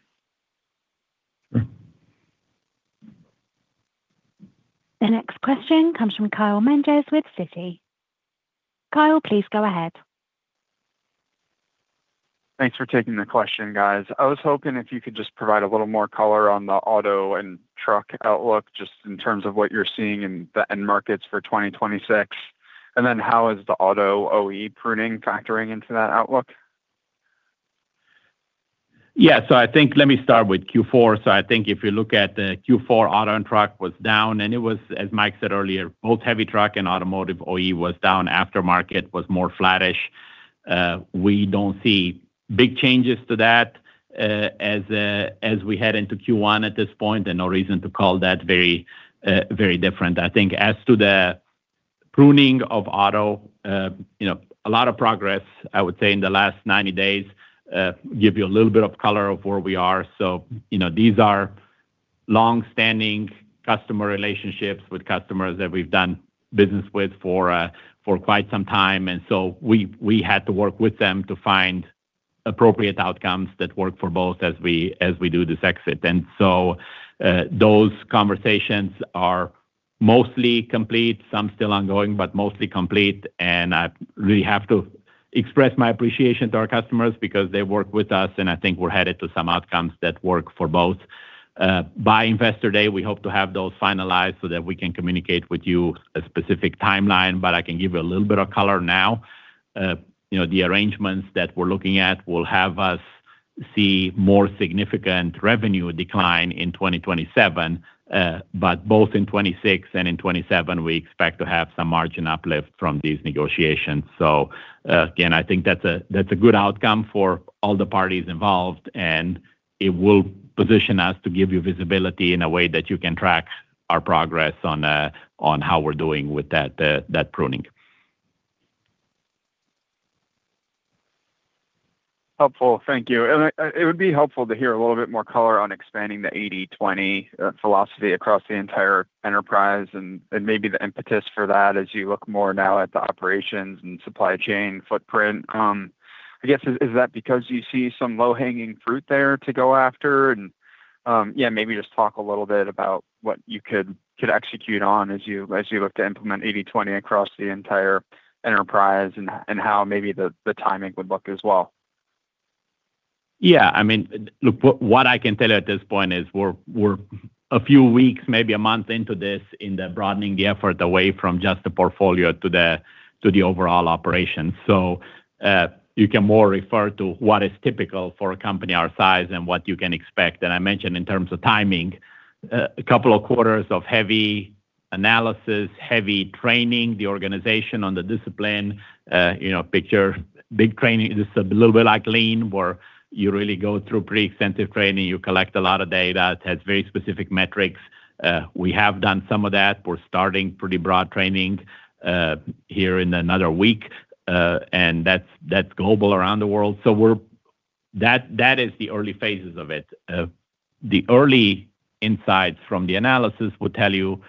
The next question comes from Kyle Menges with Citi. Kyle, please go ahead. Thanks for taking the question, guys. I was hoping if you could just provide a little more color on the auto and truck outlook, just in terms of what you're seeing in the end markets for 2026. And then how is the auto OE pruning factoring into that outlook? Yeah. So I think let me start with Q4. So I think if you look at the Q4, auto and truck was down, and it was, as Mike said earlier, both heavy truck and automotive OE was down, aftermarket was more flattish. We don't see big changes to that, as we head into Q1 at this point, and no reason to call that very, very different. I think as to the pruning of auto, you know, a lot of progress, I would say, in the last 90 days, give you a little bit of color of where we are. So, you know, these are long-standing customer relationships with customers that we've done business with for, for quite some time, and so we had to work with them to find appropriate outcomes that work for both as we do this exit. And so, those conversations are mostly complete, some still ongoing, but mostly complete. And I really have to express my appreciation to our customers because they work with us, and I think we're headed to some outcomes that work for both. By Investor Day, we hope to have those finalized so that we can communicate with you a specific timeline, but I can give you a little bit of color now. You know, the arrangements that we're looking at will have us see more significant revenue decline in 2027. But both in 2026 and in 2027, we expect to have some margin uplift from these negotiations. So, again, I think that's a, that's a good outcome for all the parties involved, and it will position us to give you visibility in a way that you can track our progress on, on how we're doing with that, that pruning. Helpful. Thank you. It would be helpful to hear a little bit more color on expanding the 80/20 philosophy across the entire enterprise and maybe the impetus for that as you look more now at the operations and supply chain footprint. I guess, is that because you see some low-hanging fruit there to go after? Yeah, maybe just talk a little bit about what you could execute on as you look to implement 80/20 across the entire enterprise, and how maybe the timing would look as well. Yeah, I mean, look, what I can tell you at this point is we're a few weeks, maybe a month into this, in the broadening the effort away from just the portfolio to the overall operation. So, you can more refer to what is typical for a company our size and what you can expect. And I mentioned in terms of timing, a couple of quarters of heavy analysis, heavy training, the organization on the discipline, you know, picture big training. This is a little bit like lean, where you really go through pretty extensive training. You collect a lot of data, it has very specific metrics. We have done some of that. We're starting pretty broad training here in another week, and that's global around the world. So, that is the early phases of it. The early insights from the analysis will tell you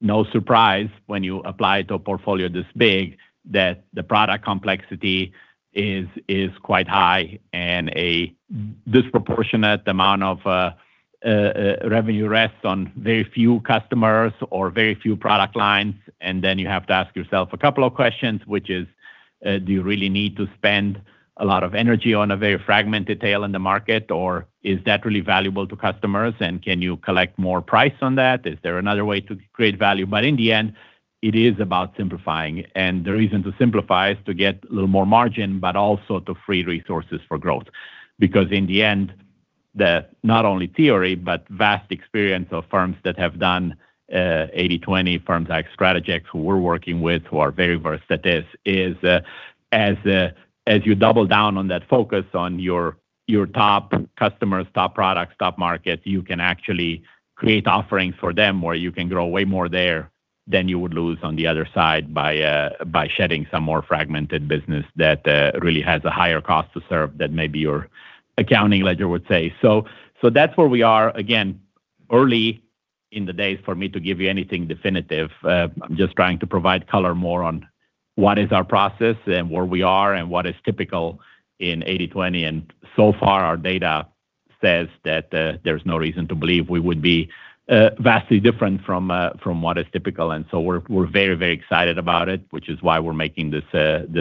no surprise when you apply it to a portfolio this big, that the product complexity is quite high and a disproportionate amount of revenue rests on very few customers or very few product lines. And then you have to ask yourself a couple of questions, which is: do you really need to spend a lot of energy on a very fragmented tail in the market, or is that really valuable to customers? And can you collect more price on that? Is there another way to create value? But in the end, it is about simplifying, and the reason to simplify is to get a little more margin, but also to free resources for growth. Because in the end, the not only theory, but vast experience of firms that have done, 80/20, firms like Strategex, who we're working with, who are very versed at this, is, as, as you double down on that focus on your, your top customers, top products, top market, you can actually create offerings for them, or you can grow way more there than you would lose on the other side by, by shedding some more fragmented business that, really has a higher cost to serve than maybe your accounting ledger would say. So, so that's where we are. Again, early in the days for me to give you anything definitive. I'm just trying to provide color more on what is our process and where we are and what is typical in 80/20. And so far, our data says that there's no reason to believe we would be vastly different from what is typical. And so we're very, very excited about it, which is why we're making this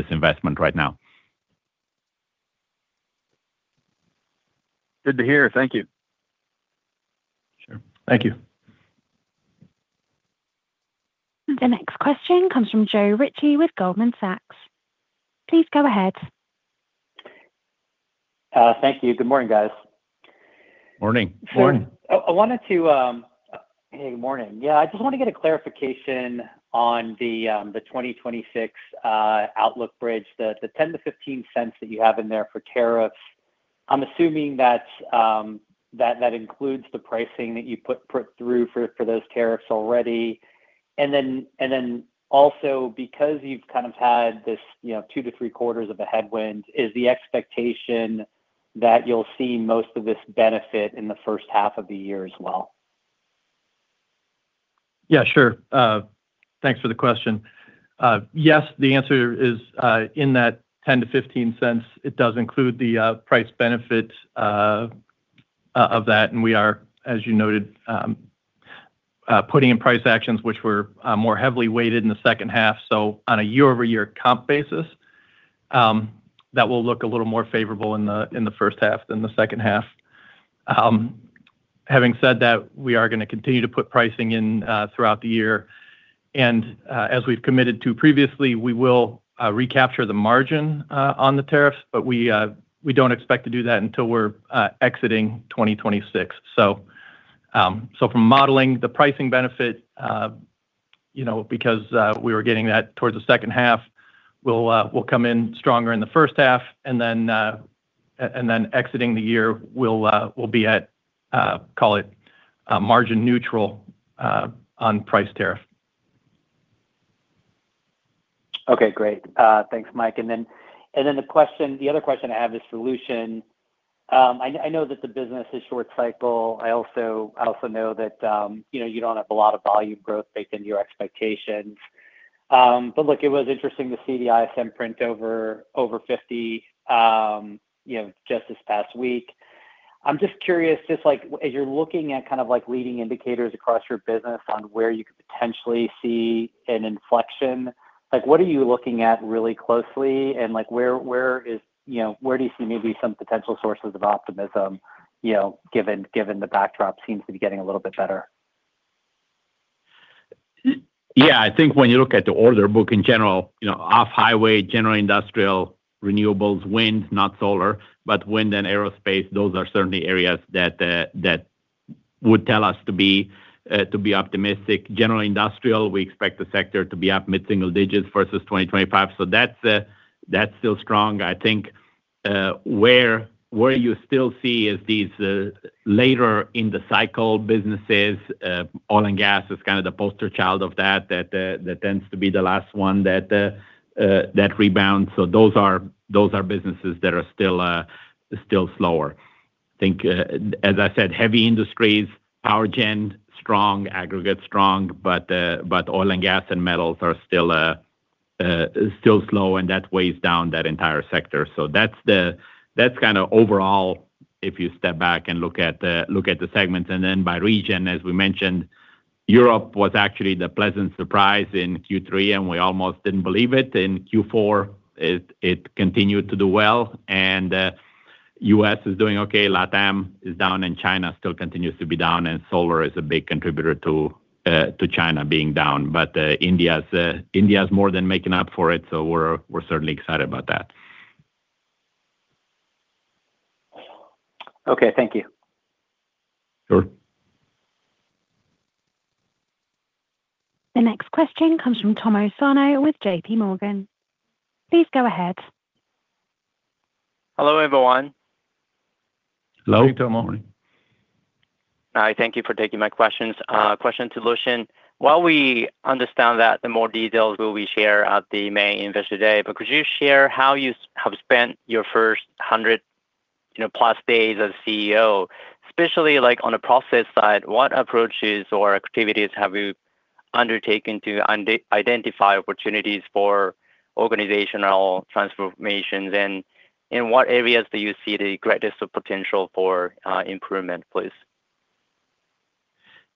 investment right now. Good to hear. Thank you. Sure. Thank you. The next question comes from Joe Ritchie with Goldman Sachs. Please go ahead. Thank you. Good morning, guys. Morning. Morning. Hey, good morning. Yeah, I just want to get a clarification on the 2026 outlook bridge, the $0.10-$0.15 that you have in there for tariffs. I'm assuming that that includes the pricing that you put through for those tariffs already. And then also because you've kind of had this, you know, two to three quarters of a headwind, is the expectation that you'll see most of this benefit in the first half of the year as well? Yeah, sure. Thanks for the question. Yes, the answer is, in that $0.10-$0.15, it does include the price benefit of that, and we are, as you noted, putting in price actions which were more heavily weighted in the second half. So on a year-over-year comp basis, that will look a little more favorable in the first half than the second half. Having said that, we are gonna continue to put pricing in throughout the year. And, as we've committed to previously, we will recapture the margin on the tariffs, but we don't expect to do that until we're exiting 2026. So, from modeling the pricing benefit, you know, because we were getting that towards the second half, we'll come in stronger in the first half, and then exiting the year, we'll be at, call it, margin neutral on price tariff. Okay, great. Thanks, Mike. And then the question, the other question I have is solution. I know that the business is short cycle. I also know that, you know, you don't have a lot of volume growth baked into your expectations. But look, it was interesting to see the ISM print over 50, you know, just this past week. I'm just curious, just like, as you're looking at kind of like leading indicators across your business on where you could potentially see an inflection, like, what are you looking at really closely, and like, where is... You know, where do you see maybe some potential sources of optimism, you know, given the backdrop seems to be getting a little bit better?... Yeah, I think when you look at the order book in general, you know, off-highway, general industrial, renewables, wind, not solar, but wind and aerospace, those are certainly areas that would tell us to be optimistic. General industrial, we expect the sector to be up mid-single digits versus 2025. So that's still strong. I think where you still see is these later in the cycle businesses, oil and gas is kind of the poster child of that that tends to be the last one that rebounds. So those are those are businesses that are still slower. I think as I said, heavy industries, power gen, strong, aggregate strong, but oil and gas and metals are still slow, and that weighs down that entire sector. So that's kinda overall, if you step back and look at the segments. And then by region, as we mentioned, Europe was actually the pleasant surprise in Q3, and we almost didn't believe it. In Q4, it continued to do well, and U.S. is doing okay, LATAM is down, and China still continues to be down, and solar is a big contributor to China being down. But India is more than making up for it, so we're certainly excited about that. Okay, thank you. Sure. The next question comes from Tomo Sano with J.P. Morgan. Please go ahead. Hello, everyone. Hello. Good morning. Hi, thank you for taking my questions. Question to Lucian: while we understand that the more details will be shared at the May Investor Day, but could you share how you have spent your first 100, you know, plus days as CEO? Especially, like, on a process side, what approaches or activities have you undertaken to identify opportunities for organizational transformations, and in what areas do you see the greatest potential for improvement, please?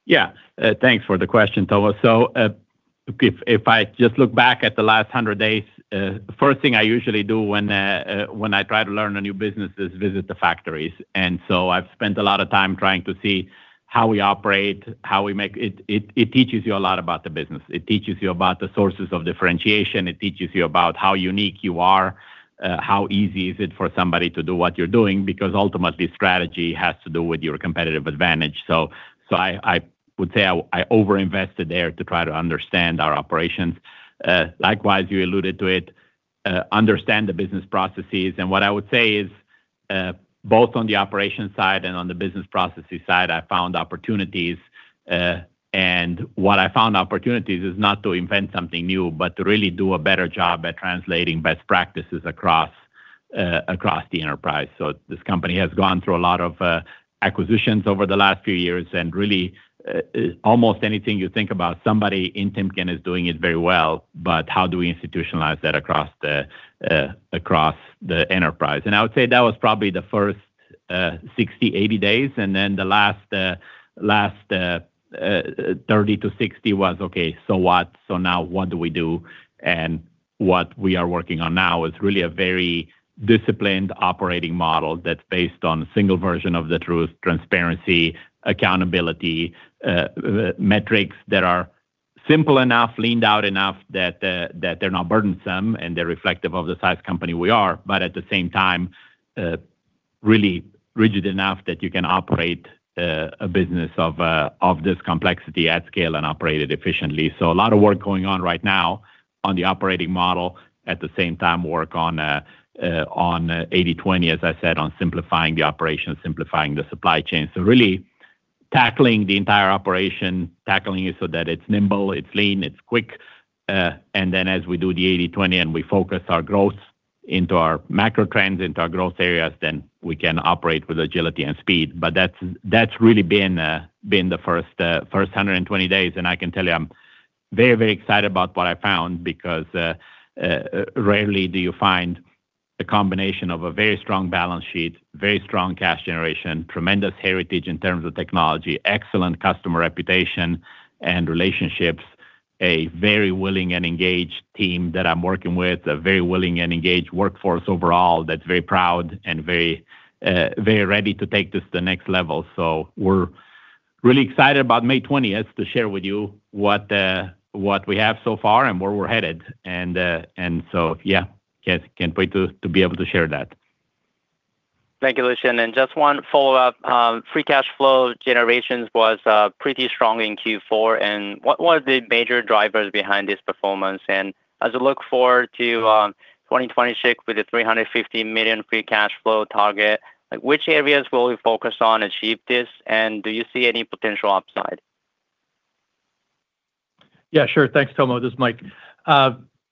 Yeah. Thanks for the question, Tomo. So, if I just look back at the last 100 days, the first thing I usually do when I try to learn a new business is visit the factories. And so I've spent a lot of time trying to see how we operate, how we make... It teaches you a lot about the business. It teaches you about the sources of differentiation, it teaches you about how unique you are, how easy is it for somebody to do what you're doing, because ultimately, strategy has to do with your competitive advantage. So I would say I over-invested there to try to understand our operations. Likewise, you alluded to it, understand the business processes. What I would say is, both on the operation side and on the business processes side, I found opportunities. And what I found opportunities is not to invent something new, but to really do a better job at translating best practices across, across the enterprise. So this company has gone through a lot of acquisitions over the last few years, and really, almost anything you think about, somebody in Timken is doing it very well. But how do we institutionalize that across the, across the enterprise? And I would say that was probably the first 60-80 days, and then the last 30-60 was, okay, so what? So now what do we do? And what we are working on now is really a very disciplined operating model that's based on a single version of the truth, transparency, accountability, metrics that are simple enough, leaned out enough that that they're not burdensome, and they're reflective of the size company we are, but at the same time, really rigid enough that you can operate a business of of this complexity at scale and operate it efficiently. So a lot of work going on right now on the operating model, at the same time, work on on 80/20, as I said, on simplifying the operation, simplifying the supply chain. So really tackling the entire operation, tackling it so that it's nimble, it's lean, it's quick, and then as we do the 80/20 and we focus our growth into our macro trends, into our growth areas, then we can operate with agility and speed. But that's, that's really been the first 120 days, and I can tell you, I'm very, very excited about what I found, because rarely do you find the combination of a very strong balance sheet, very strong cash generation, tremendous heritage in terms of technology, excellent customer reputation and relationships, a very willing and engaged team that I'm working with, a very willing and engaged workforce overall, that's very proud and very ready to take this to the next level. So we're really excited about May twentieth to share with you what we have so far and where we're headed. And so, yeah, can't wait to be able to share that. Thank you, Lucian. Just one follow-up. Free cash flow generation was pretty strong in Q4, and what were the major drivers behind this performance? And as you look forward to 2026 with the $350 million free cash flow target, like, which areas will we focus on achieve this, and do you see any potential upside? Yeah, sure. Thanks, Tomo. This is Mike.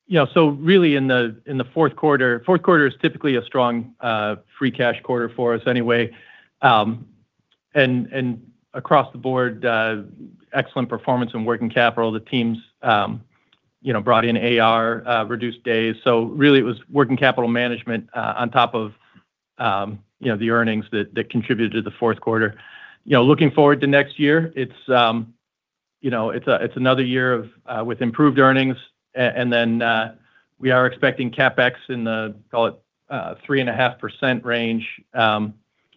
You know, so really, in the fourth quarter, which is typically a strong free cash quarter for us anyway. And across the board, excellent performance in working capital. The teams, you know, brought in AR, reduced days. So really, it was working capital management on top of, you know, the earnings that contributed to the fourth quarter. You know, looking forward to next year, it's, you know, it's another year of with improved earnings, and then, we are expecting CapEx in the, call it, 3.5% range,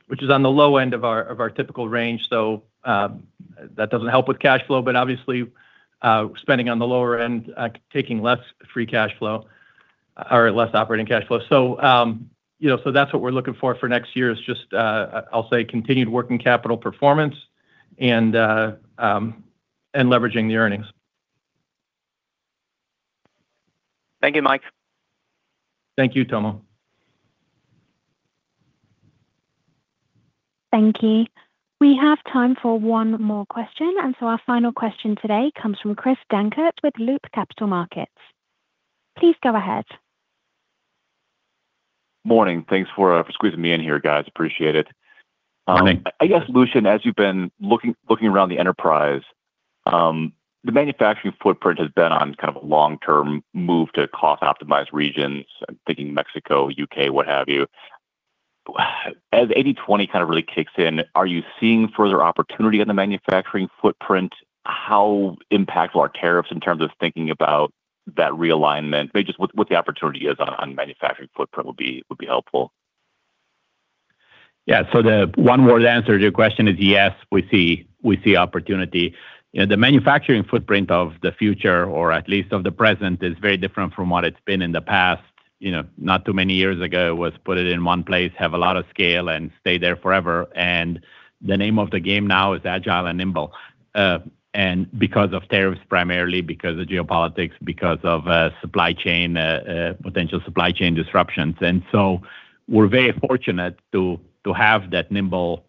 which is on the low end of our typical range, so, that doesn't help with cash flow. But obviously, spending on the lower end, taking less free cash flow or less operating cash flow. So, you know, so that's what we're looking for for next year is just, I'll say continued working capital performance and, and leveraging the earnings. Thank you, Mike. Thank you, Tomo. Thank you. We have time for one more question, and so our final question today comes from Chris Dankert with Loop Capital Markets. Please go ahead. Morning. Thanks for squeezing me in here, guys. Appreciate it. Good morning. I guess, Lucian, as you've been looking around the enterprise, the manufacturing footprint has been on kind of a long-term move to cost-optimized regions. I'm thinking Mexico, U.K., what have you. As 80/20 kind of really kicks in, are you seeing further opportunity in the manufacturing footprint? How impactful are tariffs in terms of thinking about that realignment? Maybe just what the opportunity is on manufacturing footprint would be helpful. Yeah. So the one-word answer to your question is yes, we see, we see opportunity. You know, the manufacturing footprint of the future, or at least of the present, is very different from what it's been in the past. You know, not too many years ago, it was put it in one place, have a lot of scale, and stay there forever. And the name of the game now is agile and nimble, and because of tariffs, primarily because of geopolitics, because of, supply chain, potential supply chain disruptions. And so we're very fortunate to, to have that nimble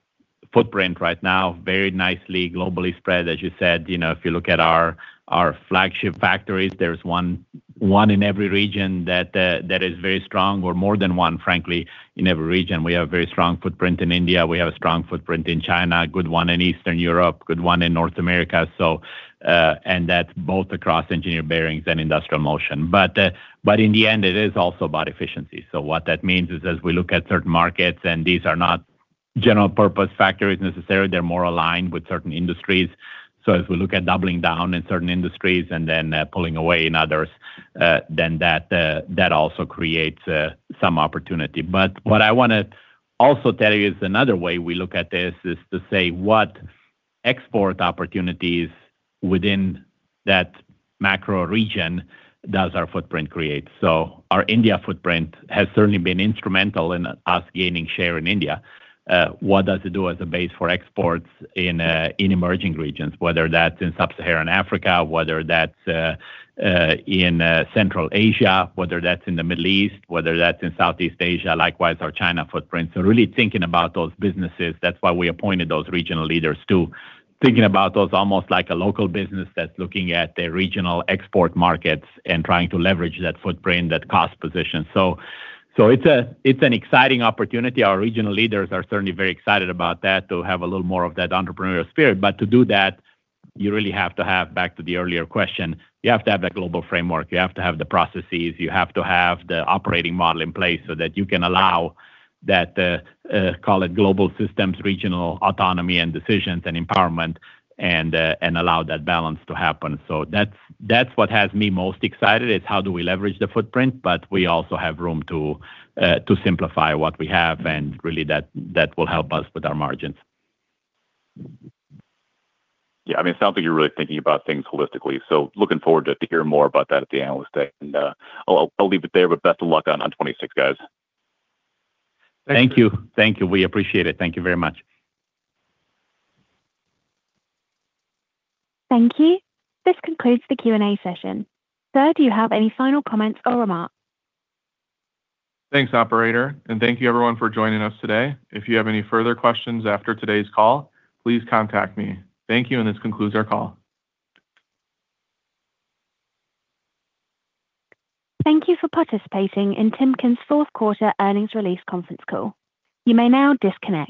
footprint right now, very nicely globally spread. As you said, you know, if you look at our, our flagship factories, there's one, one in every region that, that is very strong, or more than one, frankly, in every region. We have a very strong footprint in India. We have a strong footprint in China, a good one in Eastern Europe, good one in North America. So, and that's both across Engineered Bearings and Industrial Motion. But, but in the end, it is also about efficiency. So what that means is, as we look at certain markets, and these are not general purpose factories necessarily, they're more aligned with certain industries. So as we look at doubling down in certain industries and then, pulling away in others, then that, that also creates, some opportunity. But what I wanna also tell you is another way we look at this, is to say, what export opportunities within that macro region does our footprint create? So our India footprint has certainly been instrumental in us gaining share in India. What does it do as a base for exports in emerging regions, whether that's in Sub-Saharan Africa, whether that's in Central Asia, whether that's in the Middle East, whether that's in Southeast Asia, likewise, our China footprint. So really thinking about those businesses. That's why we appointed those regional leaders, to thinking about those almost like a local business that's looking at the regional export markets and trying to leverage that footprint, that cost position. So it's an exciting opportunity. Our regional leaders are certainly very excited about that, to have a little more of that entrepreneurial spirit. But to do that, you really have to have... Back to the earlier question, you have to have that global framework. You have to have the processes, you have to have the operating model in place so that you can allow that, call it global systems, regional autonomy and decisions and empowerment, and, and allow that balance to happen. So that's, that's what has me most excited, is how do we leverage the footprint, but we also have room to, to simplify what we have, and really, that, that will help us with our margins. Yeah, I mean, it sounds like you're really thinking about things holistically, so looking forward to hearing more about that at the Analyst Day. And, I'll leave it there, but best of luck on 2026, guys. Thank you. Thank you. We appreciate it. Thank you very much. Thank you. This concludes the Q&A session. Sir, do you have any final comments or remarks? Thanks, operator, and thank you everyone for joining us today. If you have any further questions after today's call, please contact me. Thank you, and this concludes our call. Thank you for participating in Timken's Fourth Quarter Earnings Release Conference Call. You may now disconnect.